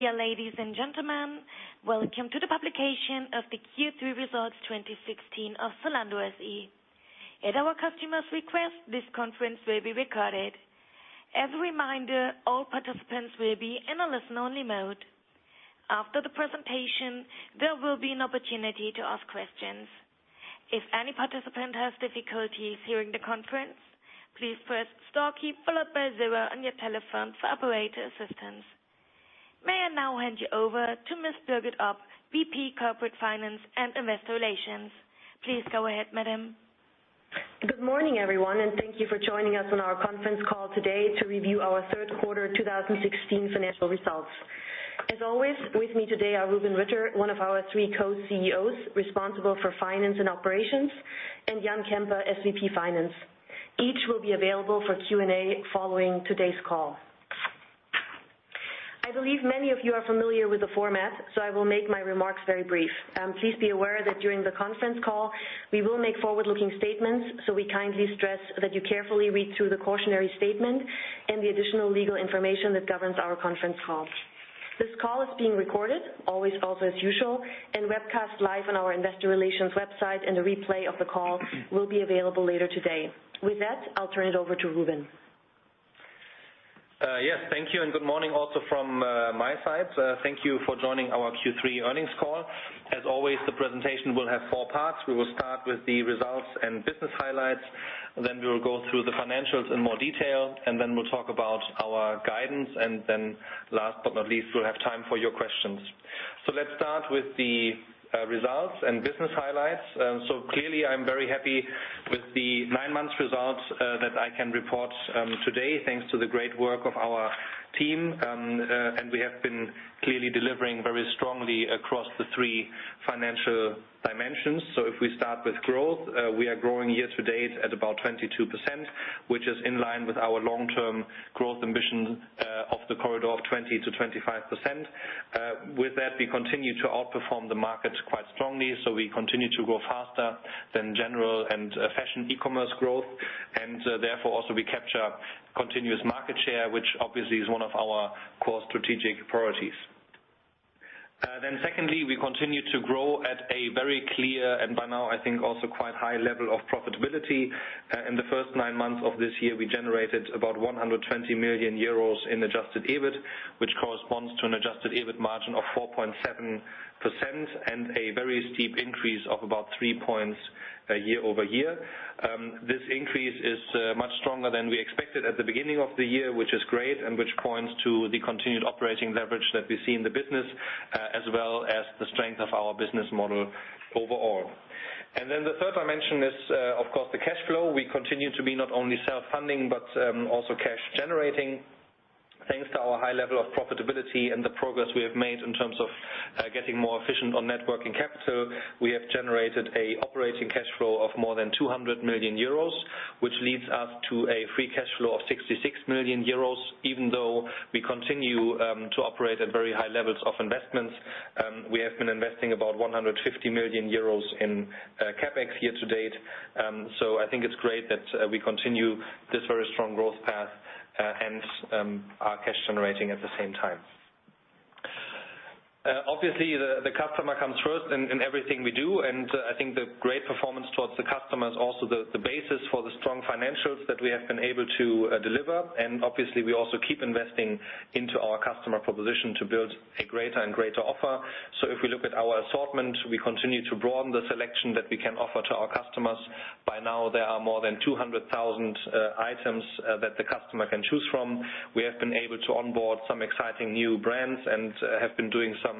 Dear ladies and gentlemen, welcome to the publication of the Q3 Results 2016 of Zalando SE. At our customers' request, this conference will be recorded. As a reminder, all participants will be in a listen-only mode. After the presentation, there will be an opportunity to ask questions. If any participant has difficulties hearing the conference, please press star key followed by zero on your telephone for operator assistance. May I now hand you over to Ms. Birgit Opp, VP Corporate Finance and Investor Relations. Please go ahead, madam. Good morning, everyone, thank you for joining us on our conference call today to review our third quarter 2016 financial results. As always, with me today are Rubin Ritter, one of our three co-CEOs responsible for finance and operations, and Jan Kemper, SVP Finance. Each will be available for Q&A following today's call. I believe many of you are familiar with the format, so I will make my remarks very brief. Please be aware that during the conference call, we will make forward-looking statements. We kindly stress that you carefully read through the cautionary statement and the additional legal information that governs our conference call. This call is being recorded, always also as usual, and webcast live on our investor relations website, and a replay of the call will be available later today. With that, I'll turn it over to Rubin. Thank you, and good morning also from my side. Thank you for joining our Q3 earnings call. As always, the presentation will have four parts. We will start with the results and business highlights, we will go through the financials in more detail, and we'll talk about our guidance. Last but not least, we'll have time for your questions. Let's start with the results and business highlights. Clearly, I'm very happy with the nine months results that I can report today, thanks to the great work of our team. We have been clearly delivering very strongly across the three financial dimensions. If we start with growth, we are growing year to date at about 22%, which is in line with our long-term growth ambition of the corridor of 20%-25%. With that, we continue to outperform the market quite strongly. We continue to grow faster than general and fashion e-commerce growth. Therefore, also, we capture continuous market share, which obviously is one of our core strategic priorities. Secondly, we continue to grow at a very clear, and by now I think also quite high level of profitability. In the first nine months of this year, we generated about 120 million euros in adjusted EBIT, which corresponds to an adjusted EBIT margin of 4.7% and a very steep increase of about three points year-over-year. This increase is much stronger than we expected at the beginning of the year, which is great and which points to the continued operating leverage that we see in the business as well as the strength of our business model overall. The third I mentioned is, of course, the cash flow. We continue to be not only self-funding but also cash generating. Thanks to our high level of profitability and the progress we have made in terms of getting more efficient on net working capital, we have generated an operating cash flow of more than 200 million euros, which leads us to a free cash flow of 66 million euros. Even though we continue to operate at very high levels of investments, we have been investing about 150 million euros in CapEx year to date. I think it's great that we continue this very strong growth path and are cash generating at the same time. The customer comes first in everything we do, and I think the great performance towards the customer is also the basis for the strong financials that we have been able to deliver. Obviously, we also keep investing into our customer proposition to build a greater and greater offer. If we look at our assortment, we continue to broaden the selection that we can offer to our customers. By now, there are more than 200,000 items that the customer can choose from. We have been able to onboard some exciting new brands and have been doing some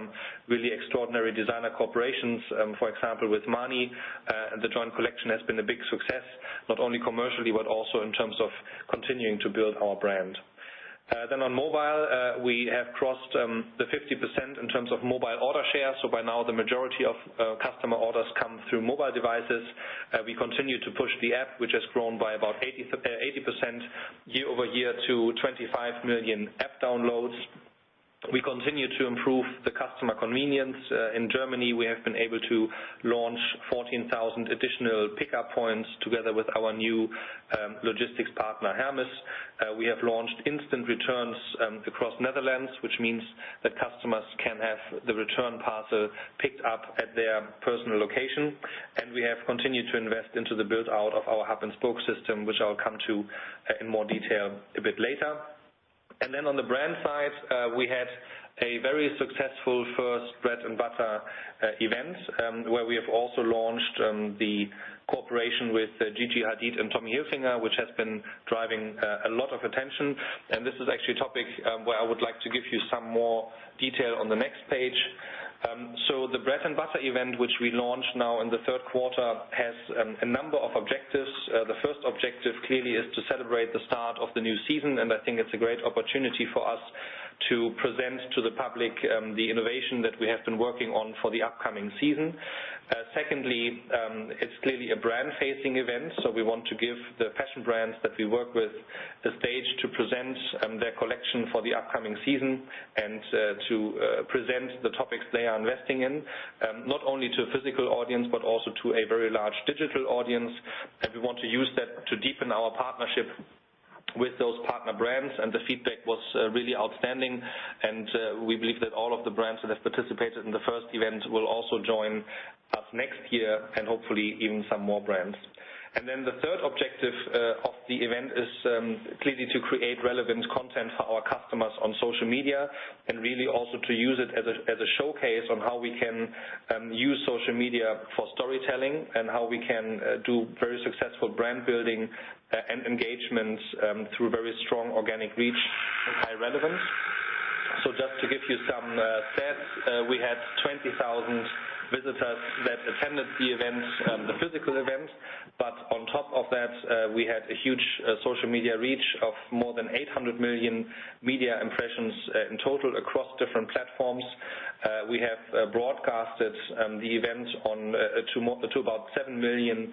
really extraordinary designer collaborations, for example, with Armani. The joint collection has been a big success, not only commercially but also in terms of continuing to build our brand. On mobile, we have crossed the 50% in terms of mobile order share. By now, the majority of customer orders come through mobile devices. We continue to push the app, which has grown by about 80% year-over-year to 25 million app downloads. We continue to improve the customer convenience. In Germany, we have been able to launch 14,000 additional pickup points together with our new logistics partner, Hermes. We have launched instant returns across Netherlands, which means that customers can have the return parcel picked up at their personal location. We have continued to invest into the build-out of our hub-and-spoke system, which I'll come to in more detail a bit later. On the brand side, we had a very successful first Bread & Butter event, where we have also launched the cooperation with Gigi Hadid and Tommy Hilfiger, which has been driving a lot of attention. This is actually a topic where I would like to give you some more detail on the next page. The Bread & Butter event, which we launched now in the third quarter, has a number of objectives. The first objective, clearly, is to celebrate the start of the new season, and I think it's a great opportunity for us to present to the public the innovation that we have been working on for the upcoming season. Secondly, it's clearly a brand-facing event, so we want to give the fashion brands that we work with the stage to present their collection for the upcoming season and to present the topics they are investing in, not only to a physical audience but also to a very large digital audience. We want to use that to deepen our partnership with those partner brands and the feedback was really outstanding. We believe that all of the brands that have participated in the first event will also join us next year and hopefully even some more brands. The third objective of the event is clearly to create relevant content for our customers on social media and really also to use it as a showcase on how we can use social media for storytelling and how we can do very successful brand building and engagements through very strong organic reach and high relevance. Just to give you some stats, we had 20,000 visitors that attended the event, the physical event. On top of that, we had a huge social media reach of more than 800 million media impressions in total across different platforms. We have broadcasted the event to about 7 million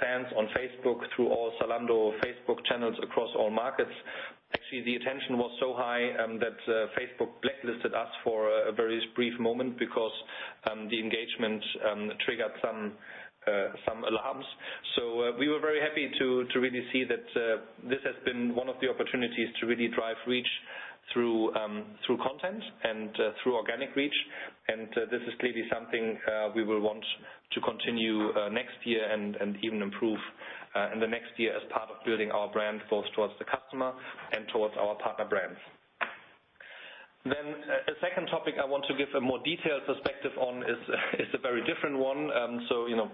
fans on Facebook through all Zalando Facebook channels across all markets. Actually, the attention was so high that Facebook blacklisted us for a very brief moment because the engagement triggered some alarms. We were very happy to really see that this has been one of the opportunities to really drive reach through content and through organic reach. This is clearly something we will want to continue next year and even improve in the next year as part of building our brand both towards the customer and towards our partner brands. A second topic I want to give a more detailed perspective on is a very different one.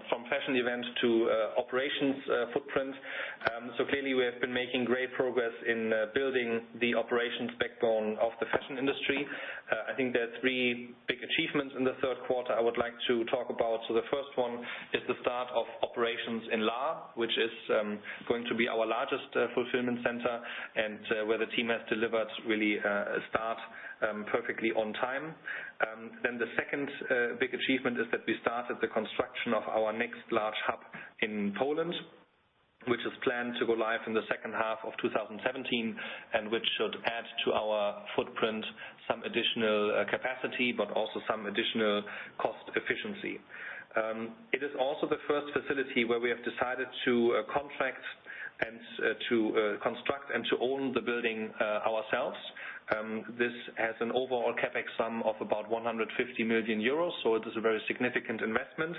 From fashion event to operations footprint. Clearly we have been making great progress in building the operations backbone of the fashion industry. I think there are three big achievements in the third quarter I would like to talk about. The first one is the start of operations in Lahr, which is going to be our largest fulfillment center and where the team has delivered really a start perfectly on time. The second big achievement is that we started the construction of our next large hub in Poland, which is planned to go live in the second half of 2017 and which should add to our footprint some additional capacity, but also some additional cost efficiency. It is also the first facility where we have decided to contract and to construct and to own the building ourselves. This has an overall CapEx sum of about 150 million euros, it is a very significant investment.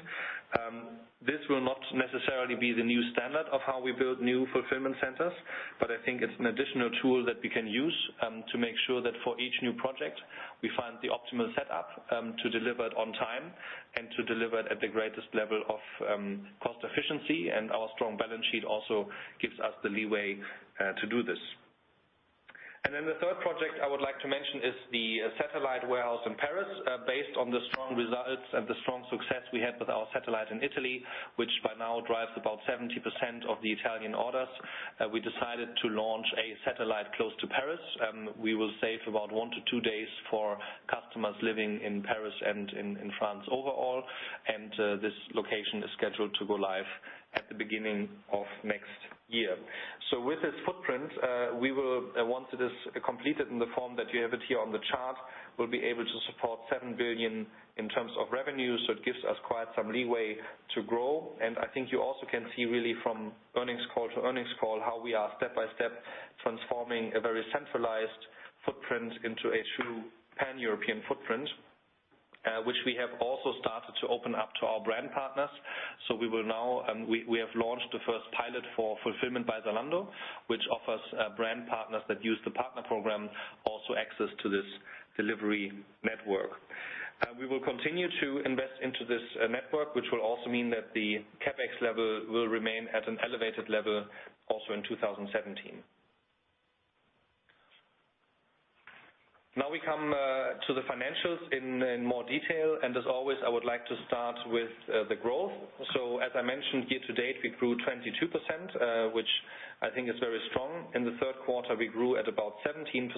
This will not necessarily be the new standard of how we build new fulfillment centers, but I think it's an additional tool that we can use to make sure that for each new project, we find the optimal setup to deliver it on time and to deliver it at the greatest level of cost efficiency. Our strong balance sheet also gives us the leeway to do this. The third project I would like to mention is the satellite warehouse in Paris. Based on the strong results and the strong success we had with our satellite in Italy, which by now drives about 70% of the Italian orders, we decided to launch a satellite close to Paris. We will save about one to two days for customers living in Paris and in France overall. This location is scheduled to go live at the beginning of next year. With this footprint, we will, once it is completed in the form that you have it here on the chart, will be able to support 7 billion in terms of revenue. It gives us quite some leeway to grow. I think you also can see really from earnings call to earnings call how we are step by step transforming a very centralized footprint into a true Pan-European footprint, which we have also started to open up to our brand partners. We have launched the first pilot for Fulfillment by Zalando, which offers brand partners that use the partner program, also access to this delivery network. We will continue to invest into this network, which will also mean that the CapEx level will remain at an elevated level also in 2017. Now we come to the financials in more detail, as always, I would like to start with the growth. As I mentioned, year to date, we grew 22%, which I think is very strong. In the third quarter, we grew at about 17%.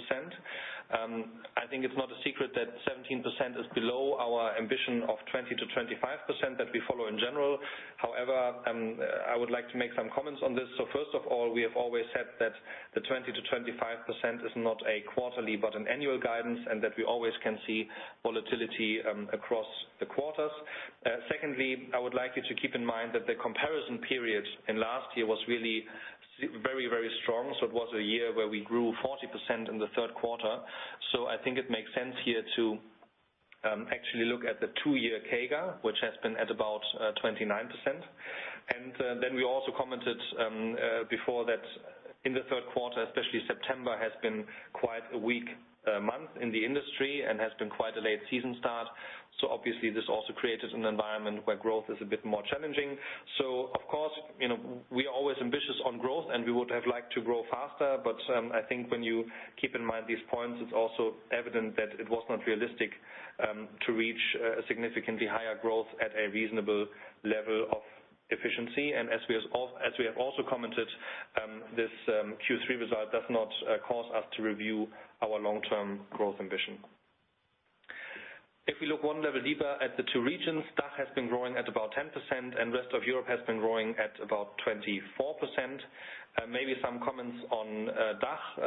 I think it's not a secret that 17% is below our ambition of 20%-25% that we follow in general. However, I would like to make some comments on this. First of all, we have always said that the 20%-25% is not a quarterly but an annual guidance and that we always can see volatility across the quarters. Secondly, I would like you to keep in mind that the comparison period in last year was really very strong. It was a year where we grew 40% in the third quarter. I think it makes sense here to actually look at the two-year CAGR, which has been at about 29%. Then we also commented before that in the third quarter, especially September, has been quite a weak month in the industry and has been quite a late season start. Obviously, this also created an environment where growth is a bit more challenging. Of course, we are always ambitious on growth, we would have liked to grow faster. I think when you keep in mind these points, it's also evident that it was not realistic to reach a significantly higher growth at a reasonable level of efficiency. As we have also commented, this Q3 result does not cause us to review our long-term growth ambition. If we look 1 level deeper at the two regions, DACH has been growing at about 10%. Rest of Europe has been growing at about 24%. Maybe some comments on.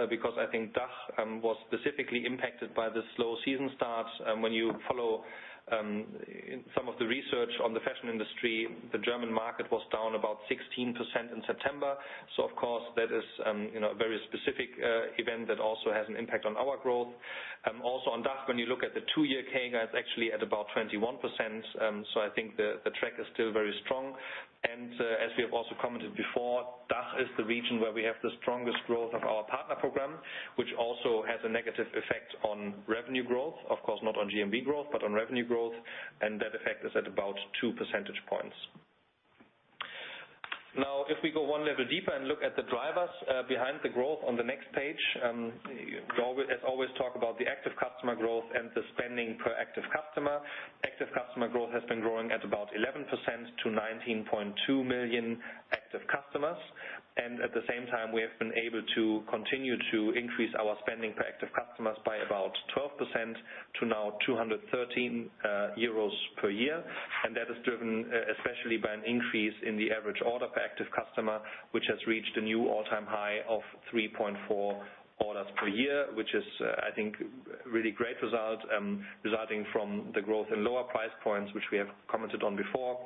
Because I think DACH was specifically impacted by the slow season starts. When you follow some of the research on the fashion industry, the German market was down about 16% in September. Of course, that is a very specific event that also has an impact on our growth. Also on DACH, when you look at the two-year CAGR, it's actually at about 21%. I think the track is still very strong. As we have also commented before, DACH is the region where we have the strongest growth of our partner program, which also has a negative effect on revenue growth. Of course, not on GMV growth, but on revenue growth. That effect is at about two percentage points. If we go one level deeper and look at the drivers behind the growth on the next page. As always, talk about the active customer growth and the spending per active customer. Active customer growth has been growing at about 11% to 19.2 million active customers. At the same time, we have been able to continue to increase our spending per active customers by about 12% to now €213 per year. That is driven especially by an increase in the average order per active customer, which has reached a new all-time high of 3.4 orders per year, which is, I think, a really great result, resulting from the growth in lower price points, which we have commented on before,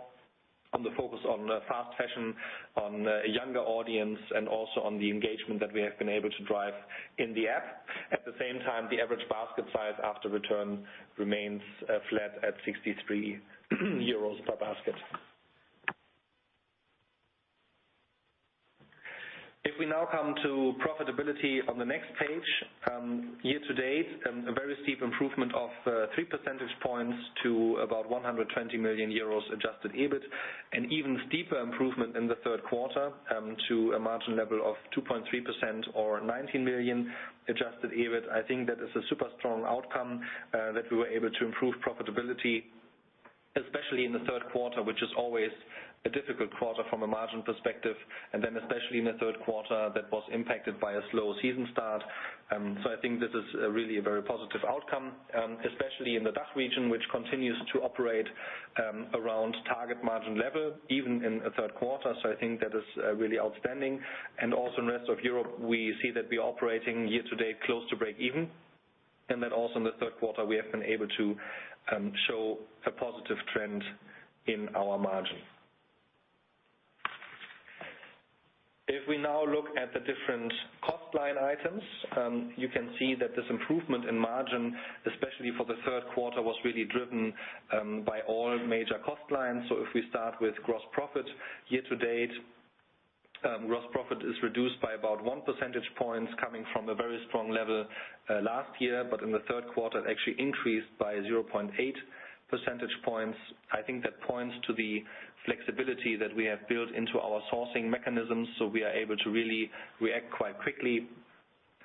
on the focus on fast fashion, on a younger audience, and also on the engagement that we have been able to drive in the app. At the same time, the average basket size after return remains flat at €63 per basket. If we now come to profitability on the next page. Year-to-date, a very steep improvement of three percentage points to about €120 million adjusted EBIT and even steeper improvement in the third quarter to a margin level of 2.3% or 19 million adjusted EBIT. I think that is a super strong outcome that we were able to improve profitability, especially in the third quarter, which is always a difficult quarter from a margin perspective, and then especially in the third quarter that was impacted by a slow season start. I think this is really a very positive outcome, especially in the DACH region, which continues to operate around target margin level, even in the third quarter. I think that is really outstanding. Also in the rest of Europe, we see that we are operating year-to-date close to break even, and that also in the third quarter, we have been able to show a positive trend in our margin. If we now look at the different cost line items, you can see that this improvement in margin, especially for the third quarter, was really driven by all major cost lines. If we start with gross profit year-to-date, gross profit is reduced by about one percentage point coming from a very strong level last year, but in the third quarter, it actually increased by 0.8 percentage points. I think that points to the flexibility that we have built into our sourcing mechanisms, so we are able to really react quite quickly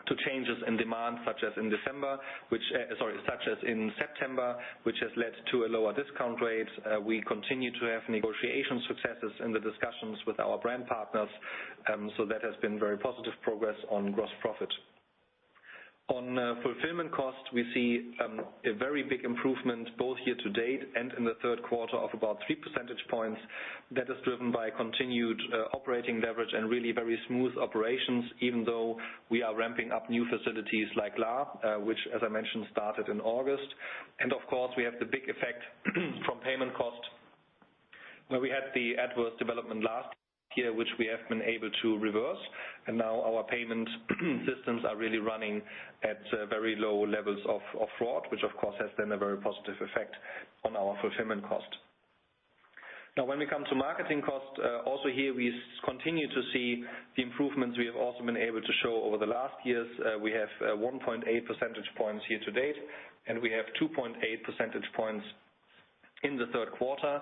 to changes in demand, such as in September, which has led to a lower discount rate. We continue to have negotiation successes in the discussions with our brand partners. That has been very positive progress on gross profit. On fulfillment cost, we see a very big improvement both year-to-date and in the third quarter of about three percentage points. That is driven by continued operating leverage and really very smooth operations, even though we are ramping up new facilities like Lahr, which as I mentioned, started in August. Of course, we have the big effect from payment cost where we had the adverse development last year, which we have been able to reverse. Our payment systems are really running at very low levels of fraud, which of course has then a very positive effect on our fulfillment cost. When we come to marketing cost, also here we continue to see the improvements we have also been able to show over the last years. We have 1.8 percentage points year-to-date, and we have 2.8 percentage points in the third quarter.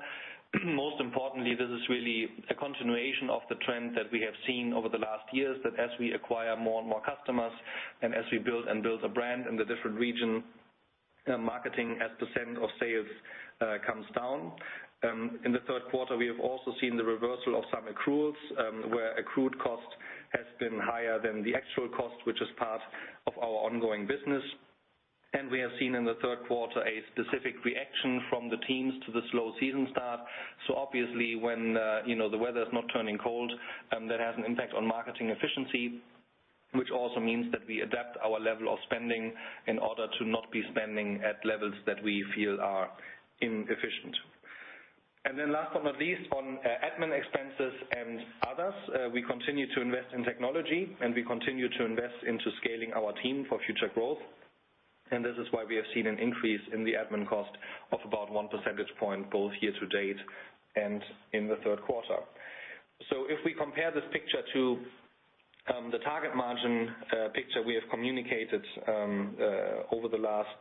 Most importantly, this is really a continuation of the trend that we have seen over the last years, that as we acquire more and more customers and as we build and build a brand in the different region, marketing as % of sales comes down. In the third quarter, we have also seen the reversal of some accruals, where accrued cost has been higher than the actual cost, which is part of our ongoing business. We have seen in the third quarter a specific reaction from the teams to the slow season start. Obviously when the weather is not turning cold, that has an impact on marketing efficiency, which also means that we adapt our level of spending in order to not be spending at levels that we feel are inefficient. Then last but not least, on admin expenses and others, we continue to invest in technology, and we continue to invest into scaling our team for future growth. This is why we have seen an increase in the admin cost of about 1 percentage point both year-to-date and in the third quarter. If we compare this picture to the target margin picture we have communicated over the last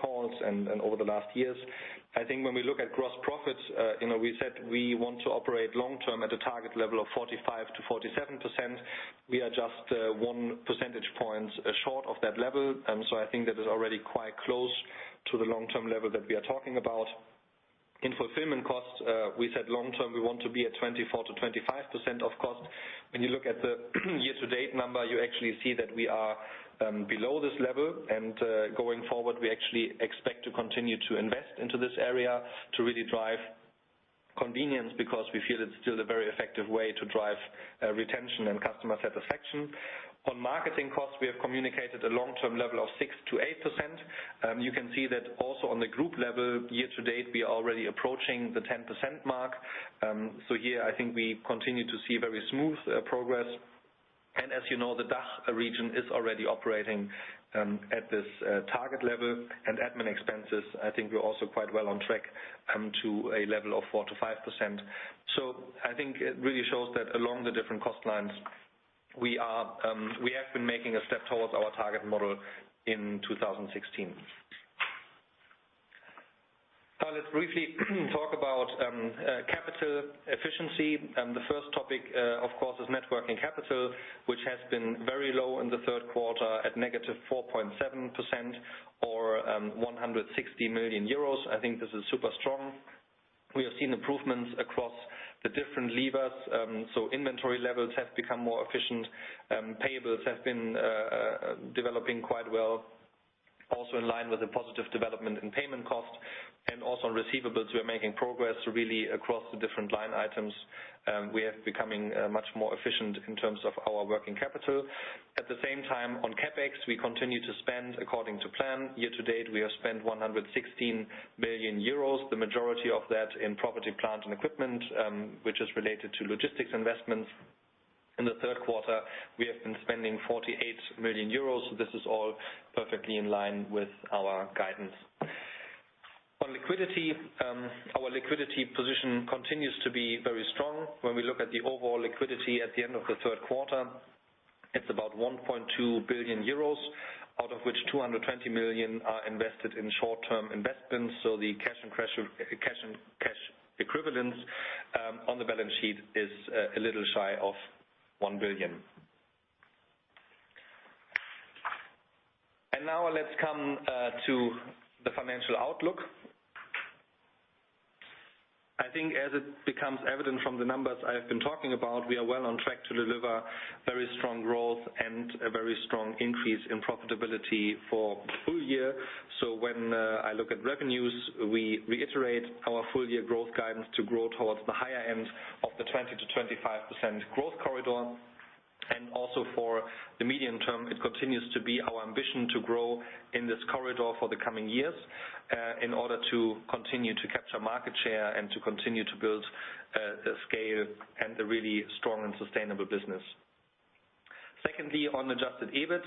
calls and over the last years, I think when we look at gross profits, we said we want to operate long-term at a target level of 45%-47%. We are just 1 percentage point short of that level. I think that is already quite close to the long-term level that we are talking about. In fulfillment costs, we said long-term, we want to be at 24%-25% of cost. When you look at the year-to-date number, you actually see that we are below this level. Going forward, we actually expect to continue to invest into this area to really drive Convenience, because we feel it's still a very effective way to drive retention and customer satisfaction. On marketing costs, we have communicated a long-term level of 6%-8%. You can see that also on the group level, year-to-date, we are already approaching the 10% mark. Here, I think we continue to see very smooth progress. As you know, the DACH region is already operating at this target level. Admin expenses, I think we're also quite well on track to a level of 4%-5%. I think it really shows that along the different cost lines, we have been making a step towards our target model in 2016. Let's briefly talk about capital efficiency. The first topic, of course, is net working capital, which has been very low in the third quarter at negative 4.7% or 160 million euros. I think this is super strong. We have seen improvements across the different levers. Inventory levels have become more efficient. Payables have been developing quite well, also in line with the positive development in payment costs. On receivables, we are making progress really across the different line items. We are becoming much more efficient in terms of our working capital. On CapEx, we continue to spend according to plan. Year to date, we have spent 116 million euros, the majority of that in property, plant, and equipment, which is related to logistics investments. In the third quarter, we have been spending 48 million euros. This is all perfectly in line with our guidance. Our liquidity position continues to be very strong. When we look at the overall liquidity at the end of the third quarter, it is about 1.2 billion euros, out of which 220 million are invested in short-term investments. The cash equivalents on the balance sheet is a little shy of 1 billion. Let's come to the financial outlook. As it becomes evident from the numbers I have been talking about, we are well on track to deliver very strong growth and a very strong increase in profitability for the full year. When I look at revenues, we reiterate our full-year growth guidance to grow towards the higher end of the 20%-25% growth corridor. For the medium term, it continues to be our ambition to grow in this corridor for the coming years in order to continue to capture market share and to continue to build scale and a really strong and sustainable business. Secondly, on adjusted EBIT,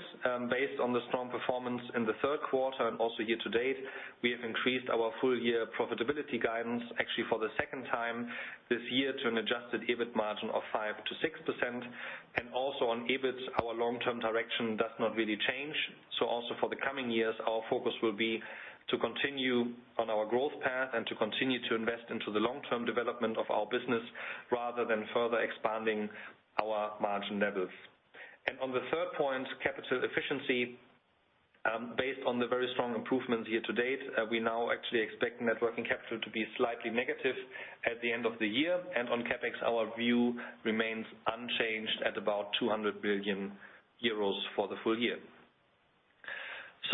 based on the strong performance in the third quarter and also year to date, we have increased our full-year profitability guidance actually for the second time this year to an adjusted EBIT margin of 5%-6%. On EBIT, our long-term direction does not really change. Also for the coming years, our focus will be to continue on our growth path and to continue to invest into the long-term development of our business rather than further expanding our margin levels. On capital efficiency, based on the very strong improvements year to date, we now actually expect net working capital to be slightly negative at the end of the year. Our view remains unchanged at about 200 million euros for the full year.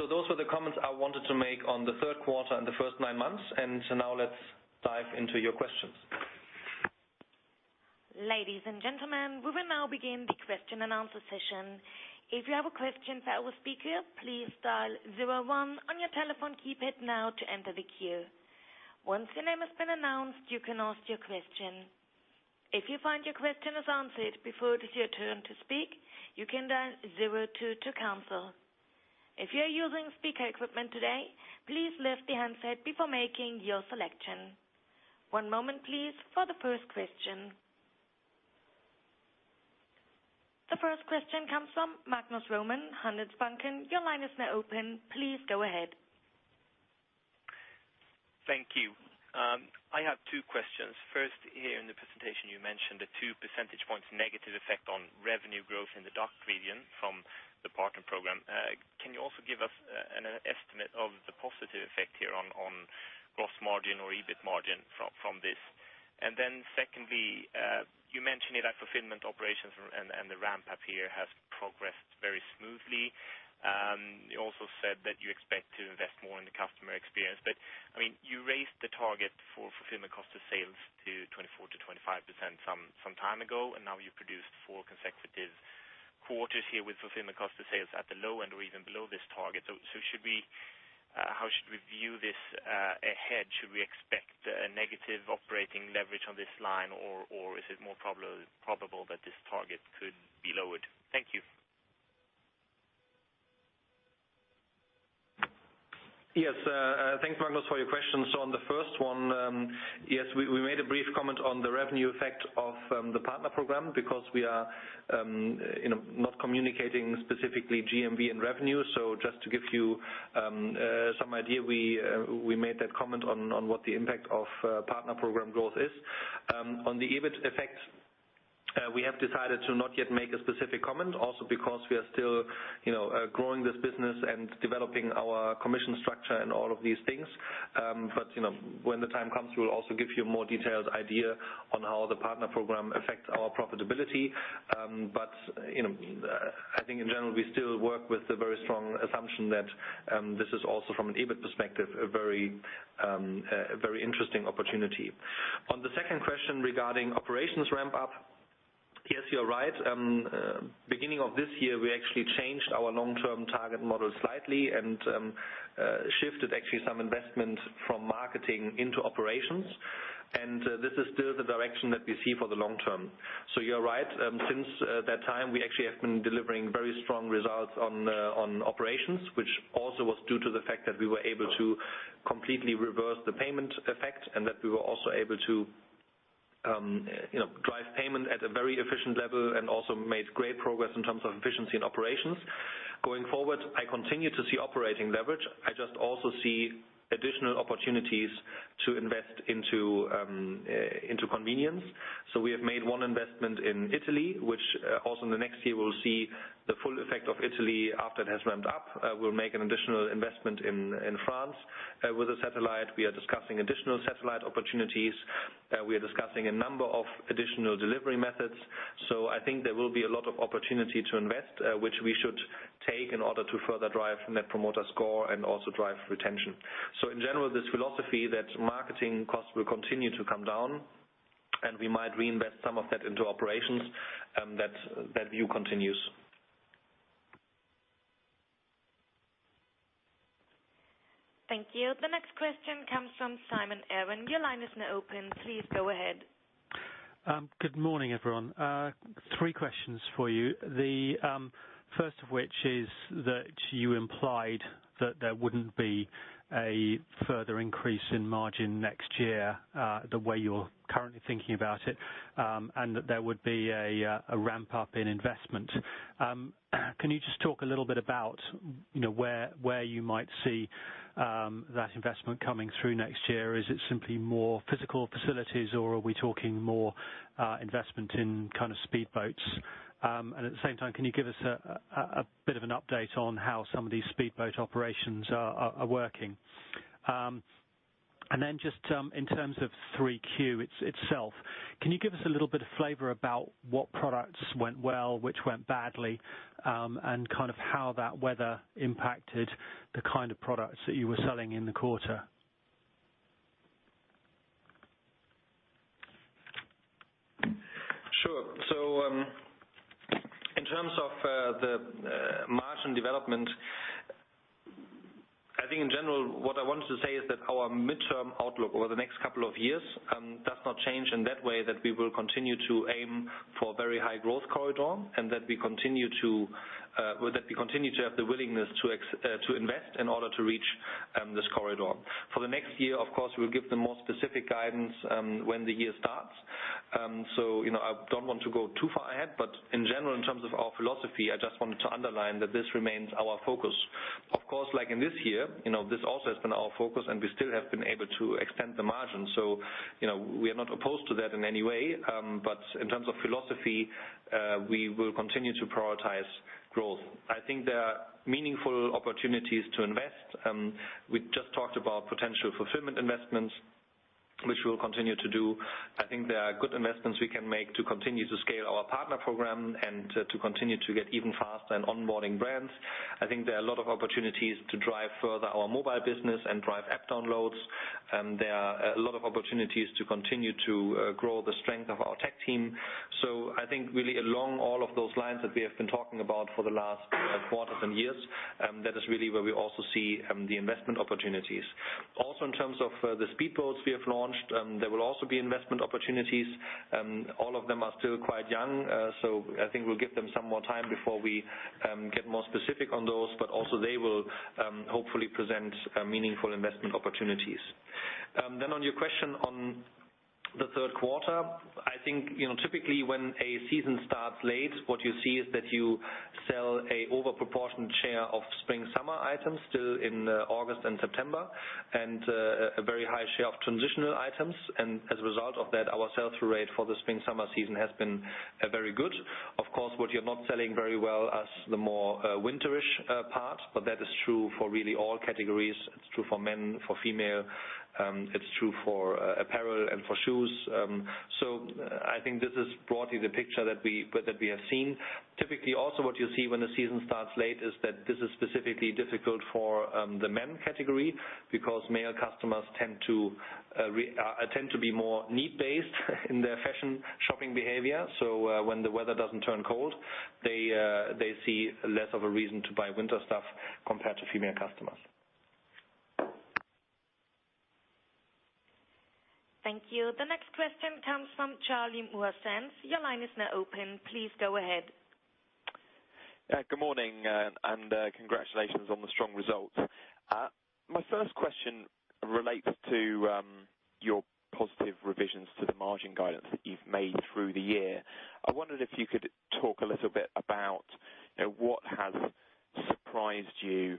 Those were the comments I wanted to make on the third quarter and the first nine months. Let's dive into your questions. Ladies and gentlemen, we will now begin the question and answer session. If you have a question for our speaker, please dial 01 on your telephone keypad now to enter the queue. Once your name has been announced, you can ask your question. If you find your question is answered before it is your turn to speak, you can dial 02 to cancel. If you are using speaker equipment today, please lift the handset before making your selection. One moment, please, for the first question. The first question comes from Magnus Råman, Handelsbanken. Your line is now open. Please go ahead. Thank you. I have two questions. First, here in the presentation, you mentioned a two percentage points negative effect on revenue growth in the DACH region from the partner program. Can you also give us an estimate of the positive effect here on gross margin or EBIT margin from this? Secondly, you mentioned that fulfillment operations and the ramp-up here has progressed very smoothly. You also said that you expect to invest more in the customer experience. You raised the target for fulfillment cost of sales to 24%-25% some time ago, and now you've produced four consecutive quarters here with fulfillment cost of sales at the low end or even below this target. How should we view this ahead? Should we expect a negative operating leverage on this line, or is it more probable that this target could be lowered? Thank you. Yes. Thanks, Magnus, for your question. On the first one, yes, we made a brief comment on the revenue effect of the partner program because we are not communicating specifically GMV and revenue. Just to give you some idea, we made that comment on what the impact of partner program growth is. On the EBIT effect, we have decided to not yet make a specific comment, also because we are still growing this business and developing our commission structure and all of these things. I think in general, we still work with the very strong assumption that this is also from an EBIT perspective, a very interesting opportunity. On the second question regarding operations ramp-up, yes, you're right. Beginning of this year, we actually changed our long-term target model slightly and shifted actually some investment from marketing into operations. This is still the direction that we see for the long term. You're right. Since that time, we actually have been delivering very strong results on operations, which also was due to the fact that we were able to completely reverse the payment effect and that we were also able to drive payment at a very efficient level and also made great progress in terms of efficiency and operations. Going forward, I continue to see operating leverage. I just also see additional opportunities to invest into convenience. We have made one investment in Italy, which also in the next year will see the full effect of Italy after it has ramped up. We'll make an additional investment in France with a satellite. We are discussing additional satellite opportunities. We are discussing a number of additional delivery methods. I think there will be a lot of opportunity to invest, which we should take in order to further drive net promoter score and also drive retention. In general, this philosophy that marketing costs will continue to come down and we might reinvest some of that into operations, that view continues. Thank you. The next question comes from Simon Aaron. Your line is now open. Please go ahead. Good morning, everyone. Three questions for you. The first of which is that you implied that there wouldn't be a further increase in margin next year, the way you're currently thinking about it, and that there would be a ramp-up in investment. Can you just talk a little bit about where you might see that investment coming through next year? Is it simply more physical facilities or are we talking more investment in kind of speedboats? At the same time, can you give us a bit of an update on how some of these speedboat operations are working? Then just in terms of 3Q itself, can you give us a little bit of flavor about what products went well, which went badly, and kind of how that weather impacted the kind of products that you were selling in the quarter? Sure. In terms of the margin development, I think in general, what I wanted to say is that our midterm outlook over the next couple of years does not change in that way, that we will continue to aim for very high growth corridor and that we continue to have the willingness to invest in order to reach this corridor. For the next year, of course, we'll give the more specific guidance when the year starts. I don't want to go too far ahead, but in general, in terms of our philosophy, I just wanted to underline that this remains our focus. Of course, like in this year, this also has been our focus and we still have been able to extend the margin. We are not opposed to that in any way. In terms of philosophy, we will continue to prioritize growth. I think there are meaningful opportunities to invest. We just talked about potential fulfillment investments, which we will continue to do. I think there are good investments we can make to continue to scale our Partner Program and to continue to get even faster in onboarding brands. I think there are a lot of opportunities to drive further our mobile business and drive app downloads. There are a lot of opportunities to continue to grow the strength of our tech team. I think really along all of those lines that we have been talking about for the last quarters and years, that is really where we also see the investment opportunities. Also in terms of the speedboats we have launched, there will also be investment opportunities. All of them are still quite young, I think we will give them some more time before we get more specific on those, but also they will hopefully present meaningful investment opportunities. On your question on the third quarter, I think, typically when a season starts late, what you see is that you sell an over proportion share of spring/summer items still in August and September and a very high share of transitional items. As a result of that, our sell-through rate for the spring/summer season has been very good. Of course, what you are not selling very well as the more winterish part, but that is true for really all categories. It is true for men, for female. It is true for apparel and for shoes. I think this is broadly the picture that we have seen. Typically, also what you see when the season starts late is that this is specifically difficult for the men category because male customers tend to be more need-based in their fashion shopping behavior. When the weather doesn't turn cold, they see less of a reason to buy winter stuff compared to female customers. Thank you. The next question comes from Charlie Mouazens. Your line is now open. Please go ahead. Good morning and congratulations on the strong results. My first question relates to your positive revisions to the margin guidance that you've made through the year. I wondered if you could talk a little bit about what has surprised you,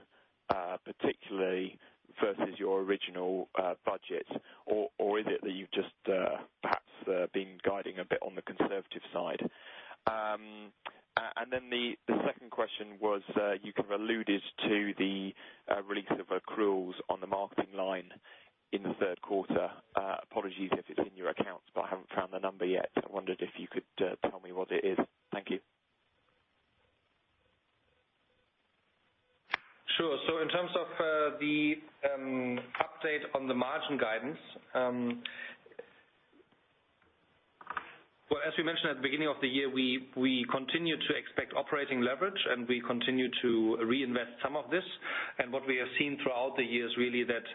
particularly versus your original budget or is it that you've just perhaps been guiding a bit on the conservative side? Then the second My second question was, you kind of alluded to the release of accruals on the marketing line in the third quarter. Apologies if it's in your accounts, but I haven't found the number yet. I wondered if you could tell me what it is. Thank you. Sure. In terms of the update on the margin guidance. Well, as we mentioned at the beginning of the year, we continue to expect operating leverage, and we continue to reinvest some of this. What we have seen throughout the year is really that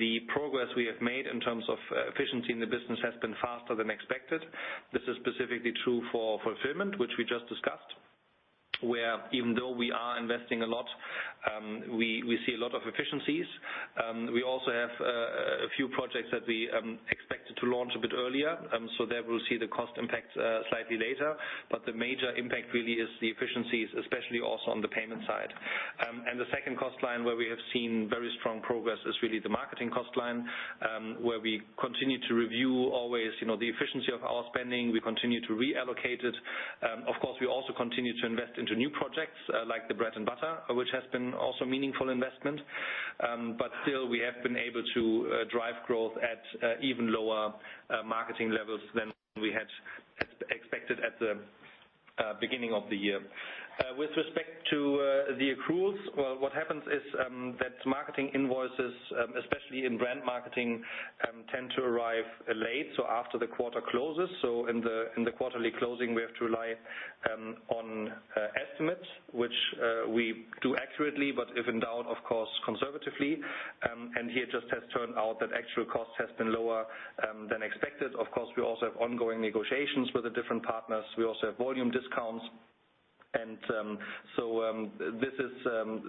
the progress we have made in terms of efficiency in the business has been faster than expected. This is specifically true for fulfillment, which we just discussed, where even though we are investing a lot, we see a lot of efficiencies. We also have a few projects that we expected to launch a bit earlier. There we'll see the cost impact slightly later. The major impact really is the efficiencies, especially also on the payment side. The second cost line where we have seen very strong progress is really the marketing cost line, where we continue to review always the efficiency of our spending. We continue to reallocate it. Of course, we also continue to invest into new projects, like the Bread & Butter, which has been also a meaningful investment. Still we have been able to drive growth at even lower marketing levels than we had expected at the beginning of the year. With respect to the accruals, what happens is that marketing invoices, especially in brand marketing, tend to arrive late, so after the quarter closes. In the quarterly closing, we have to rely on estimates, which we do accurately, but if in doubt, of course, conservatively. Here it just has turned out that actual cost has been lower than expected. Of course, we also have ongoing negotiations with the different partners. We also have volume discounts.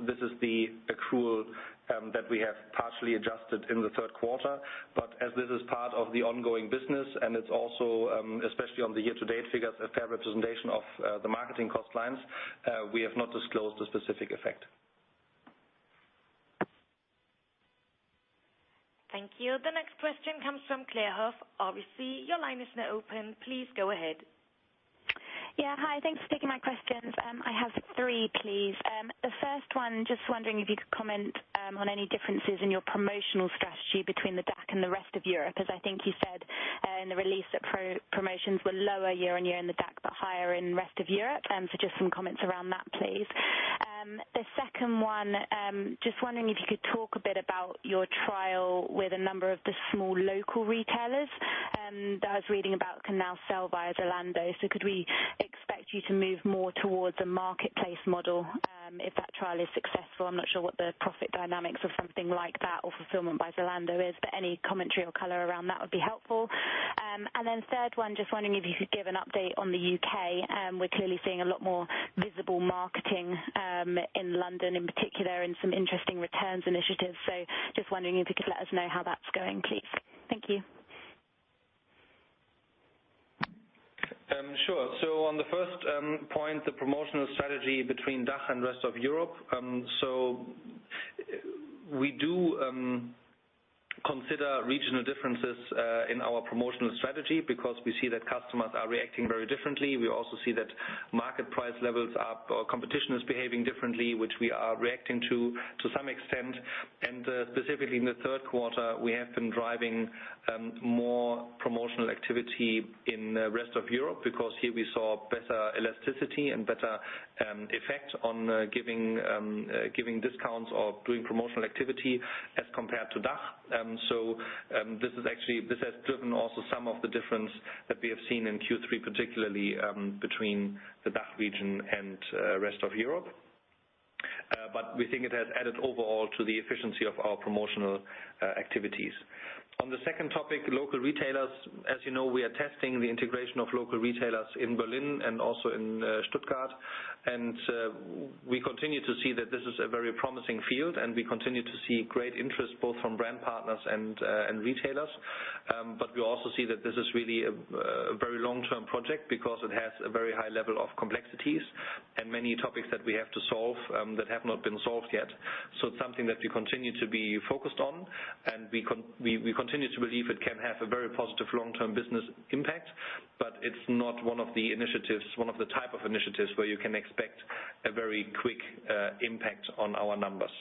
This is the accrual that we have partially adjusted in the third quarter. As this is part of the ongoing business, and it's also, especially on the year-to-date figures, a fair representation of the marketing cost lines. We have not disclosed a specific effect. Thank you. The next question comes from Claire Huff. Obviously, your line is now open. Please go ahead. Yeah. Hi, thanks for taking my questions. I have three, please. The first one, just wondering if you could comment on any differences in your promotional strategy between the DACH and the rest of Europe, as I think you said in the release that promotions were lower year-on-year in the DACH, but higher in rest of Europe. Just some comments around that, please. The second one, just wondering if you could talk a bit about your trial with a number of the small local retailers that I was reading about can now sell via Zalando. Could we expect you to move more towards a marketplace model if that trial is successful? I'm not sure what the profit dynamics of something like that or Fulfillment by Zalando is, but any commentary or color around that would be helpful. Third one, just wondering if you could give an update on the U.K. We're clearly seeing a lot more visible marketing in London, in particular, and some interesting returns initiatives. Just wondering if you could let us know how that's going, please. Thank you. On the first point, the promotional strategy between DACH and rest of Europe. We do consider regional differences in our promotional strategy because we see that customers are reacting very differently. We also see that market price levels or competition is behaving differently, which we are reacting to some extent. Specifically, in the third quarter, we have been driving more promotional activity in rest of Europe because here we saw better elasticity and better effect on giving discounts or doing promotional activity as compared to DACH. This has driven also some of the difference that we have seen in Q3, particularly between the DACH region and rest of Europe. We think it has added overall to the efficiency of our promotional activities. On the second topic, local retailers. As you know, we are testing the integration of local retailers in Berlin and also in Stuttgart. We continue to see that this is a very promising field, and we continue to see great interest both from brand partners and retailers. We also see that this is really a very long-term project because it has a very high level of complexities and many topics that we have to solve that have not been solved yet. It's something that we continue to be focused on, and we continue to believe it can have a very positive long-term business impact, but it's not one of the initiatives, one of the type of initiatives where you can expect a very quick impact on our numbers.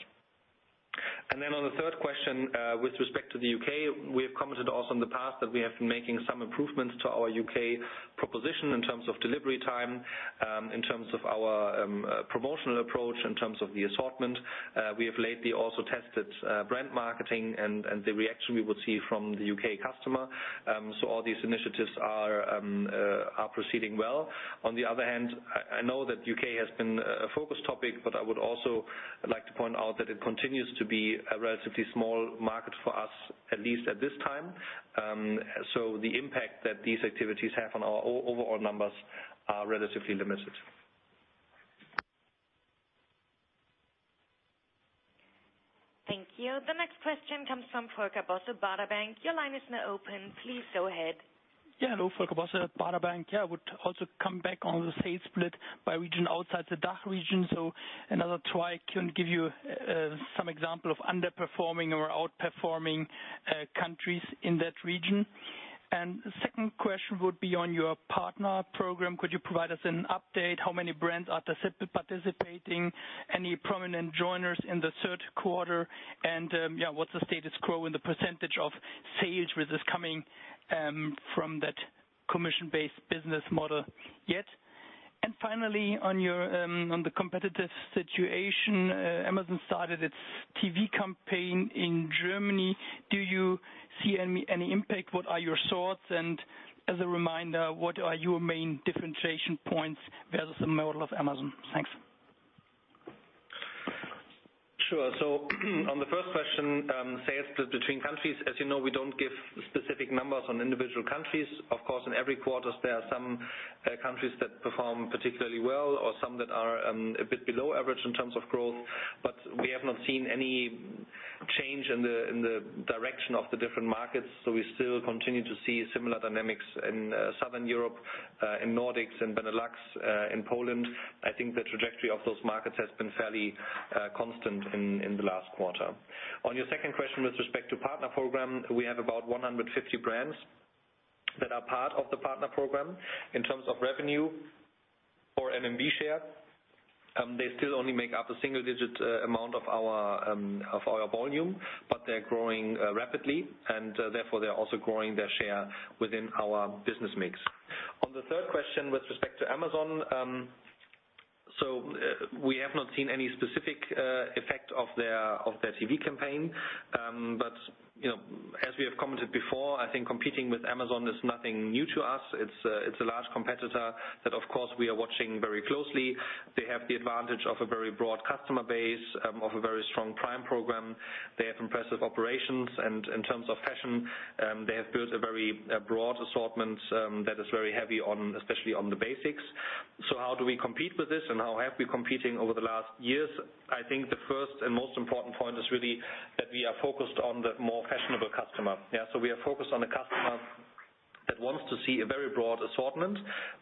On the third question, with respect to the U.K., we have commented also in the past that we have been making some improvements to our U.K. proposition in terms of delivery time, in terms of our promotional approach, in terms of the assortment. We have lately also tested brand marketing and the reaction we would see from the U.K. customer. All these initiatives are proceeding well. On the other hand, I know that U.K. has been a focus topic, but I would also like to point out that it continues to be a relatively small market for us, at least at this time. The impact that these activities have on our overall numbers are relatively limited. Thank you. The next question comes from Volker Bosse, Baader Bank. Your line is now open. Please go ahead. Yeah. Hello, Volker Bosse at Baader Bank. Yeah, I would also come back on the sales split by region outside the DACH region. Another try. Can you give some example of underperforming or outperforming countries in that region? The second question would be on your partner program. Could you provide us an update? How many brands are participating? Any prominent joiners in the third quarter? Yeah, what's the status quo in the % of sales, whether it's coming from that commission-based business model yet? Finally, on the competitive situation, Amazon started its TV campaign in Germany. Do you see any impact? What are your thoughts? As a reminder, what are your main differentiation points versus the model of Amazon? Thanks. Sure. On the first question, sales between countries, as you know, we don't give specific numbers on individual countries. Of course, in every quarter, there are some countries that perform particularly well or some that are a bit below average in terms of growth. We have not seen any change in the direction of the different markets. We still continue to see similar dynamics in Southern Europe, in Nordics and Benelux, in Poland. I think the trajectory of those markets has been fairly constant in the last quarter. On your second question with respect to partner program, we have about 150 brands that are part of the partner program. In terms of revenue or GMV share, they still only make up a single-digit amount of our volume, but they're growing rapidly, and therefore, they're also growing their share within our business mix. On the third question with respect to Amazon. We have not seen any specific effect of their TV campaign. As we have commented before, I think competing with Amazon is nothing new to us. It's a large competitor that, of course, we are watching very closely. They have the advantage of a very broad customer base, of a very strong Prime program. They have impressive operations, and in terms of fashion, they have built a very broad assortment that is very heavy, especially on the basics. How do we compete with this and how have we competing over the last years? I think the first and most important point is really that we are focused on the more fashionable customer. We are focused on a customer that wants to see a very broad assortment,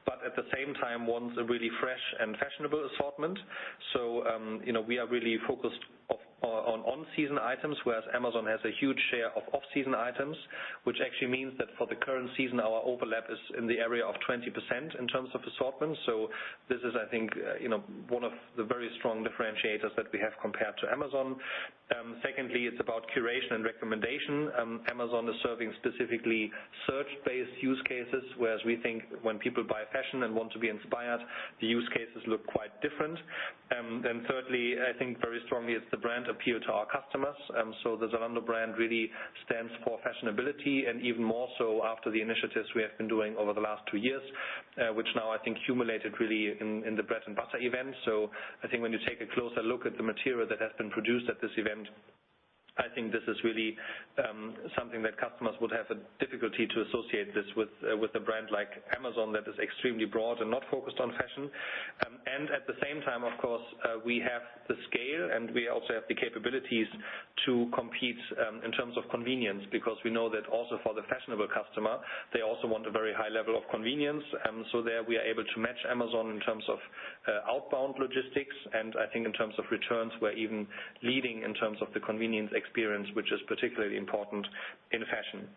but at the same time wants a really fresh and fashionable assortment. We are really focused on on-season items, whereas Amazon has a huge share of off-season items. Which actually means that for the current season, our overlap is in the area of 20% in terms of assortment. This is, I think, one of the very strong differentiators that we have compared to Amazon. Secondly, it's about curation and recommendation. Amazon is serving specifically search-based use cases, whereas we think when people buy fashion and want to be inspired, the use cases look quite different. Thirdly, I think very strongly it's the brand appeal to our customers. The Zalando brand really stands for fashionability and even more so after the initiatives we have been doing over the last two years, which now I think culminated really in the Bread & Butter event. I think when you take a closer look at the material that has been produced at this event, I think this is really something that customers would have a difficulty to associate this with a brand like Amazon that is extremely broad and not focused on fashion. At the same time, of course, we have the scale, and we also have the capabilities to compete in terms of convenience, because we know that also for the fashionable customer, they also want a very high level of convenience. There we are able to match Amazon in terms of outbound logistics, and I think in terms of returns, we're even leading in terms of the convenience experience, which is particularly important in fashion.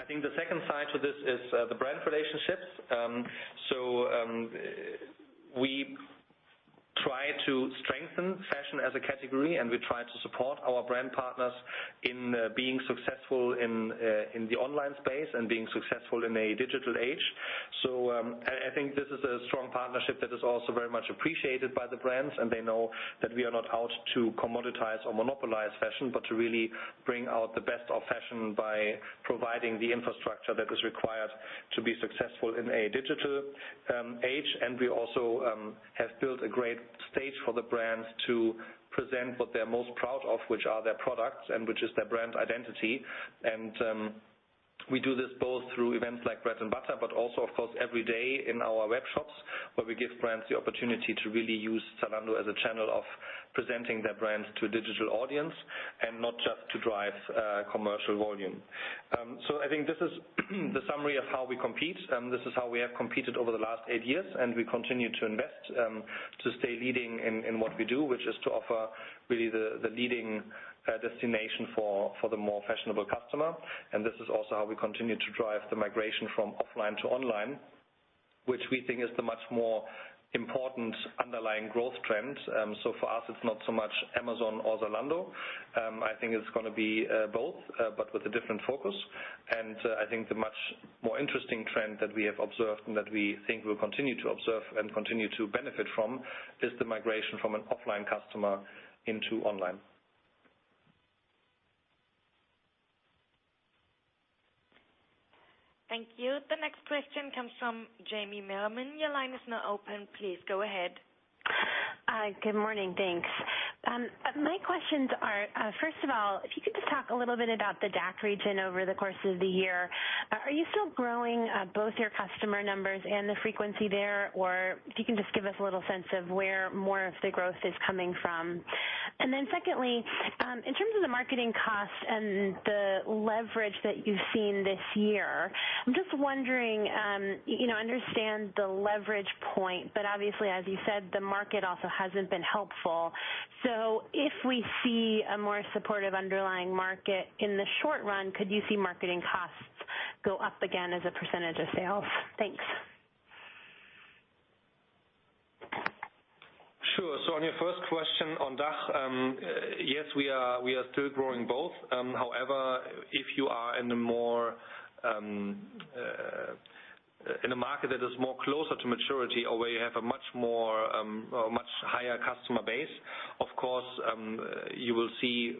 I think the second side to this is the brand relationships. We try to strengthen fashion as a category, and we try to support our brand partners in being successful in the online space and being successful in a digital age. I think this is a strong partnership that is also very much appreciated by the brands, and they know that we are not out to commoditize or monopolize fashion, but to really bring out the best of fashion by providing the infrastructure that is required to be successful in a digital age. We also have built a great stage for the brands to present what they're most proud of, which are their products and which is their brand identity. We do this both through events like Bread & Butter, but also, of course, every day in our webshops, where we give brands the opportunity to really use Zalando as a channel of presenting their brands to a digital audience and not just to drive commercial volume. I think this is the summary of how we compete. This is how we have competed over the last eight years, and we continue to invest to stay leading in what we do, which is to offer really the leading destination for the more fashionable customer. This is also how we continue to drive the migration from offline to online, which we think is the much more important underlying growth trend. For us, it's not so much Amazon or Zalando. I think it's going to be both, but with a different focus. I think the much more interesting trend that we have observed and that we think we'll continue to observe and continue to benefit from is the migration from an offline customer into online. Thank you. The next question comes from Jamie Merriman. Your line is now open. Please go ahead. Good morning. Thanks. My questions are, first of all, if you could just talk a little bit about the DACH region over the course of the year. Are you still growing both your customer numbers and the frequency there? Or if you can just give us a little sense of where more of the growth is coming from. Then secondly, in terms of the marketing costs and the leverage that you've seen this year, I'm just wondering. I understand the leverage point, but obviously, as you said, the market also hasn't been helpful. If we see a more supportive underlying market in the short run, could you see marketing costs go up again as a % of sales? Thanks. Sure. On your first question on DACH, yes, we are still growing both. However, if you are in a market that is more closer to maturity or where you have a much higher customer base, of course, you will see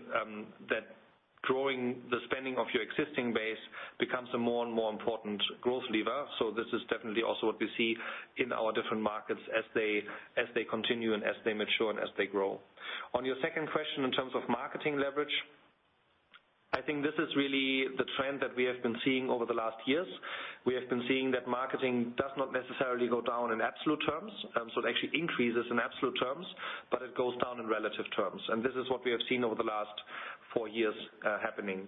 that growing the spending of your existing base becomes a more and more important growth lever. This is definitely also what we see in our different markets as they continue and as they mature and as they grow. On your second question, in terms of marketing leverage, I think this is really the trend that we have been seeing over the last years. We have been seeing that marketing does not necessarily go down in absolute terms. It actually increases in absolute terms, but it goes down in relative terms. This is what we have seen over the last four years happening.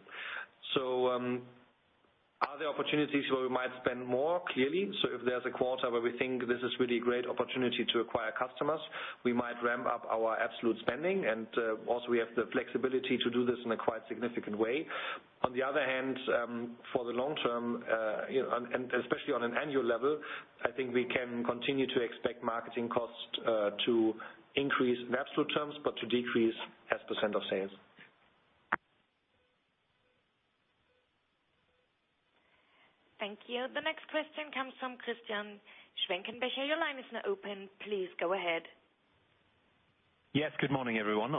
Are there opportunities where we might spend more? Clearly. If there's a quarter where we think this is really a great opportunity to acquire customers, we might ramp up our absolute spending and also we have the flexibility to do this in a quite significant way. On the other hand, for the long term, and especially on an annual level, I think we can continue to expect marketing costs to increase in absolute terms, but to decrease as % of sales. Thank you. The next question comes from Christian Schwenkenbecher. Your line is now open. Please go ahead. Yes, good morning, everyone.